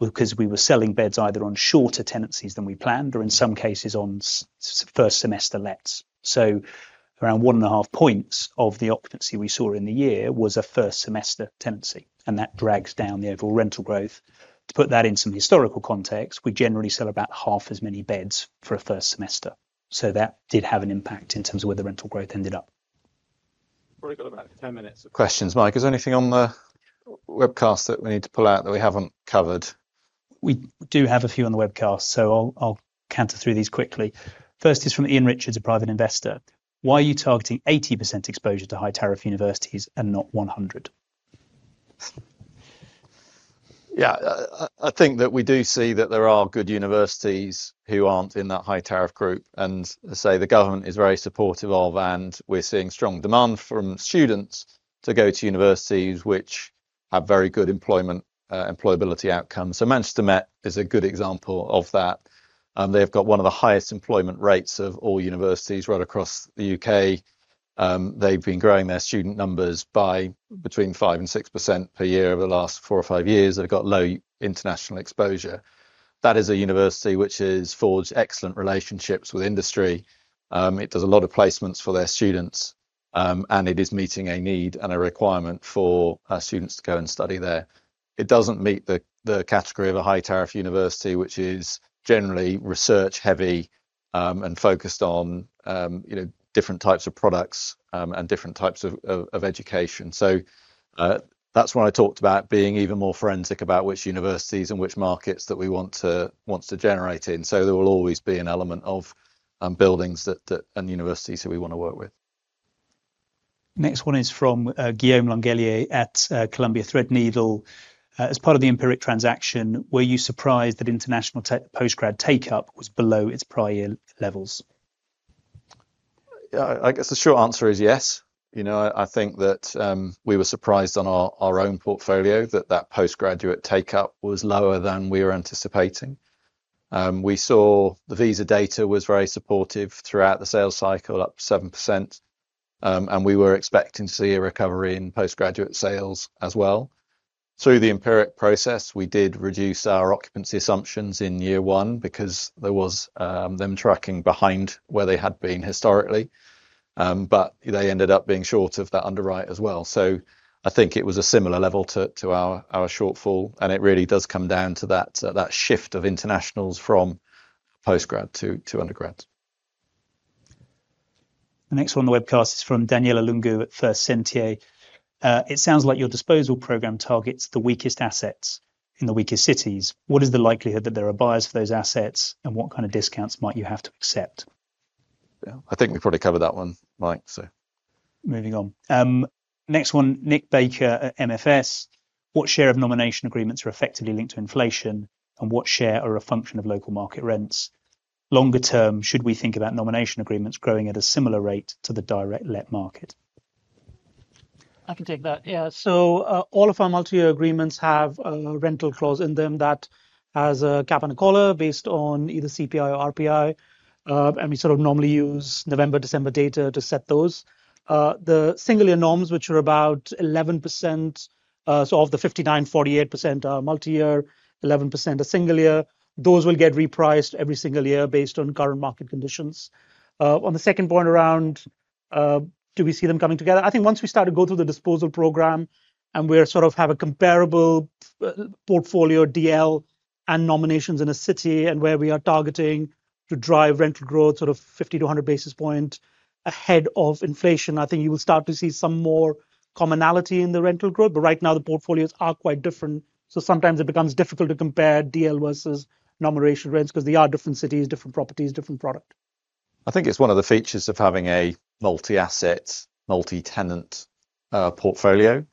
was because we were selling beds either on shorter tenancies than we planned or in some cases on first semester letts. Around one and a half percentage points of the occupancy we saw in the year was a first semester tenancy. That drags down the overall rental growth. To put that in some historical context, we generally sell about half as many beds for a first semester. That did have an impact in terms of where the rental growth ended up. We've got about 10 minutes of questions. Mike, is there anything on the webcast that we need to pull out that we haven't covered? We do have a few on the webcast, so I'll counter through these quickly. First is from Ian Richards, a private investor. Why are you targeting 80% exposure to high-tariff universities and not 100%? I think that we do see that there are good universities who aren't in that high-tariff group. The government is very supportive of, and we're seeing strong demand from students to go to universities which have very good employability outcomes. Manchester Met is a good example of that. They've got one of the highest employment rates of all universities right across the U.K. They've been growing their student numbers by between 5% and 6% per year over the last four or five years. They've got low international exposure. That is a university which has forged excellent relationships with industry. It does a lot of placements for their students, and it is meeting a need and a requirement for students to go and study there. It doesn't meet the category of a high-tariff university, which is generally research-heavy and focused on different types of products and different types of education. That is why I talked about being even more forensic about which universities and which markets that we want to generate in. There will always be an element of buildings and universities that we want to work with. Next one is from Guillaume Langellier at Columbia Threadneedle. As part of the Empiric transaction, were you surprised that international post-grad take-up was below its prior levels? I guess the short answer is yes. I think that we were surprised on our own portfolio that that postgraduate take-up was lower than we were anticipating. We saw the visa data was very supportive throughout the sales cycle, up 7%. We were expecting to see a recovery in postgraduate sales as well. Through the Empiric process, we did reduce our occupancy assumptions in year one because they were tracking behind where they had been historically. They ended up being short of that underwrite as well. I think it was a similar level to our shortfall. It really does come down to that shift of internationals from post-grad to undergrad. The next one on the webcast is from Daniela Lungu at First Sentier. It sounds like your disposal program targets the weakest assets in the weakest cities. What is the likelihood that there are buyers for those assets, and what kind of discounts might you have to accept? I think we've probably covered that one, Mike, so. Moving on. Next one, Nick Baker at MFS. What share of nomination agreements are effectively linked to inflation, and what share are a function of local market rents? Longer term, should we think about nomination agreements growing at a similar rate to the direct let market? I can take that. Yeah. All of our multi-year agreements have a rental clause in them that has a cap and a collar based on either CPI or RPI. We sort of normally use November, December data to set those. The single-year norms, which are about 11%, so of the 59%, 48% are multi-year, 11% are single-year. Those will get repriced every single year based on current market conditions. On the second point around, do we see them coming together? I think once we start to go through the disposal program and we sort of have a comparable portfolio, DL, and nominations in a city and where we are targeting to drive rental growth sort of 50-100 basis points ahead of inflation, I think you will start to see some more commonality in the rental growth. Right now, the portfolios are quite different. Sometimes it becomes difficult to compare DL versus nomination rents because they are different cities, different properties, different product. I think it is one of the features of having a multi-asset, multi-tenant portfolio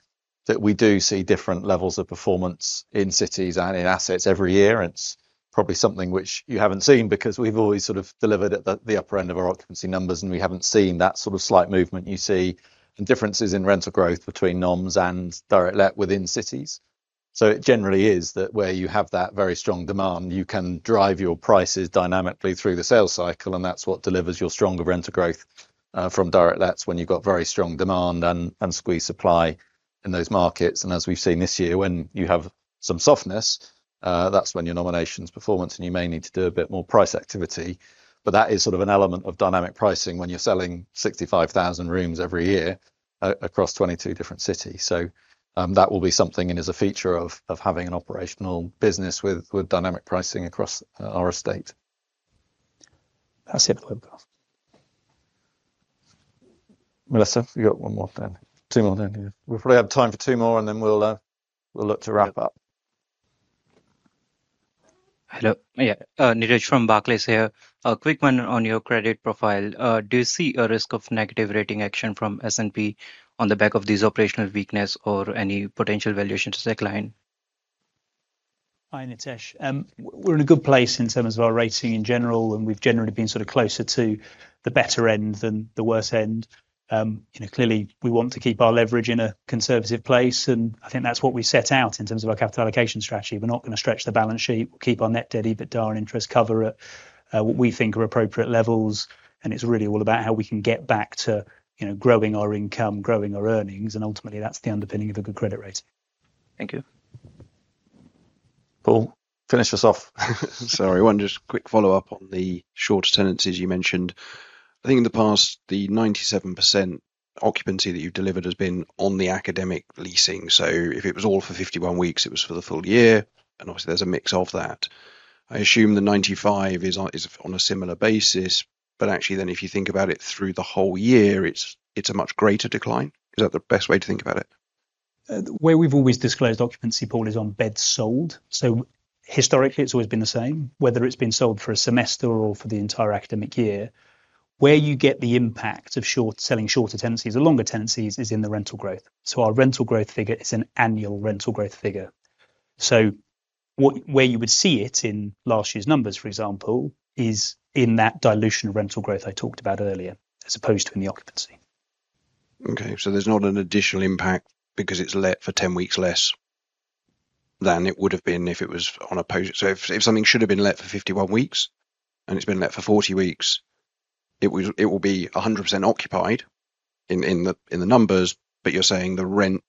that we do see different levels of performance in cities and in assets every year. It is probably something which you have not seen because we have always sort of delivered at the upper end of our occupancy numbers, and we have not seen that sort of slight movement you see in differences in rental growth between noms and direct let within cities. It generally is that where you have that very strong demand, you can drive your prices dynamically through the sales cycle, and that is what delivers your stronger rental growth from direct lets when you have very strong demand and squeezed supply in those markets. As we have seen this year, when you have some softness, that is when your nominations performance, and you may need to do a bit more price activity. That is sort of an element of dynamic pricing when you are selling 65,000 rooms every year across 22 different cities. That will be something and is a feature of having an operational business with dynamic pricing across our estate. That's it for the webcast. Melissa, you got one more then? Two more then? We'll probably have time for two more, and then we'll look to wrap up. Hello. Yeah, Nitesh from Barclays here. A quick one on your credit profile. Do you see a risk of negative rating action from S&P on the back of this operational weakness or any potential valuation to decline? Hi, Nitesh. We're in a good place in terms of our rating in general, and we've generally been sort of closer to the better end than the worst end. Clearly, we want to keep our leverage in a conservative place, and I think that's what we set out in terms of our capital allocation strategy. We're not going to stretch the balance sheet. We'll keep our net debt, EBITDA, and interest cover at what we think are appropriate levels. It's really all about how we can get back to growing our income, growing our earnings. Ultimately, that's the underpinning of a good credit rate. Thank you. Paul, finish us off. Sorry, one just quick follow-up on the shorter tenancies you mentioned. I think in the past, the 97% occupancy that you've delivered has been on the academic leasing. If it was all for 51 weeks, it was for the full year. Obviously, there's a mix of that. I assume the 95% is on a similar basis. Actually, then if you think about it through the whole year, it's a much greater decline. Is that the best way to think about it? Where we've always disclosed occupancy, Paul, is on beds sold. Historically, it's always been the same, whether it's been sold for a semester or for the entire academic year. Where you get the impact of selling shorter tenancies or longer tenancies is in the rental growth. Our rental growth figure is an annual rental growth figure. Where you would see it in last year's numbers, for example, is in that dilution of rental growth I talked about earlier, as opposed to in the occupancy. There is not an additional impact because it's let for 10 weeks less than it would have been if it was on a post. If something should have been let for 51 weeks and it's been let for 40 weeks, it will be 100% occupied in the numbers. But you're saying the rent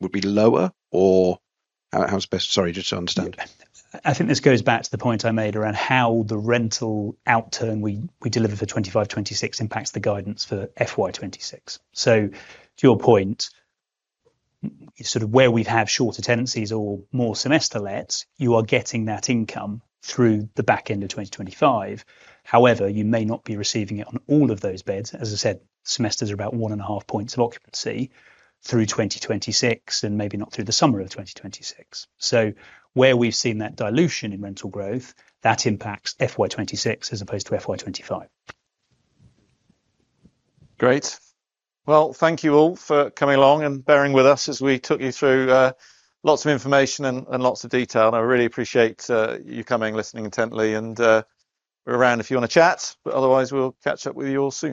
would be lower or how's best? Sorry, just to understand. I think this goes back to the point I made around how the rental outturn we deliver for 2025-2026 impacts the guidance for FY 2026. To your point, where we have shorter tenancies or more semester letts, you are getting that income through the back end of 2025. However, you may not be receiving it on all of those beds. As I said, semesters are about one and a half percentage points of occupancy through 2026 and maybe not through the summer of 2026. Where we've seen that dilution in rental growth, that impacts FY 2026 as opposed to FY 2025. Great. Thank you all for coming along and bearing with us as we took you through lots of information and lots of detail. I really appreciate you coming, listening intently. We are around if you want to chat, otherwise, we will catch up with you all soon.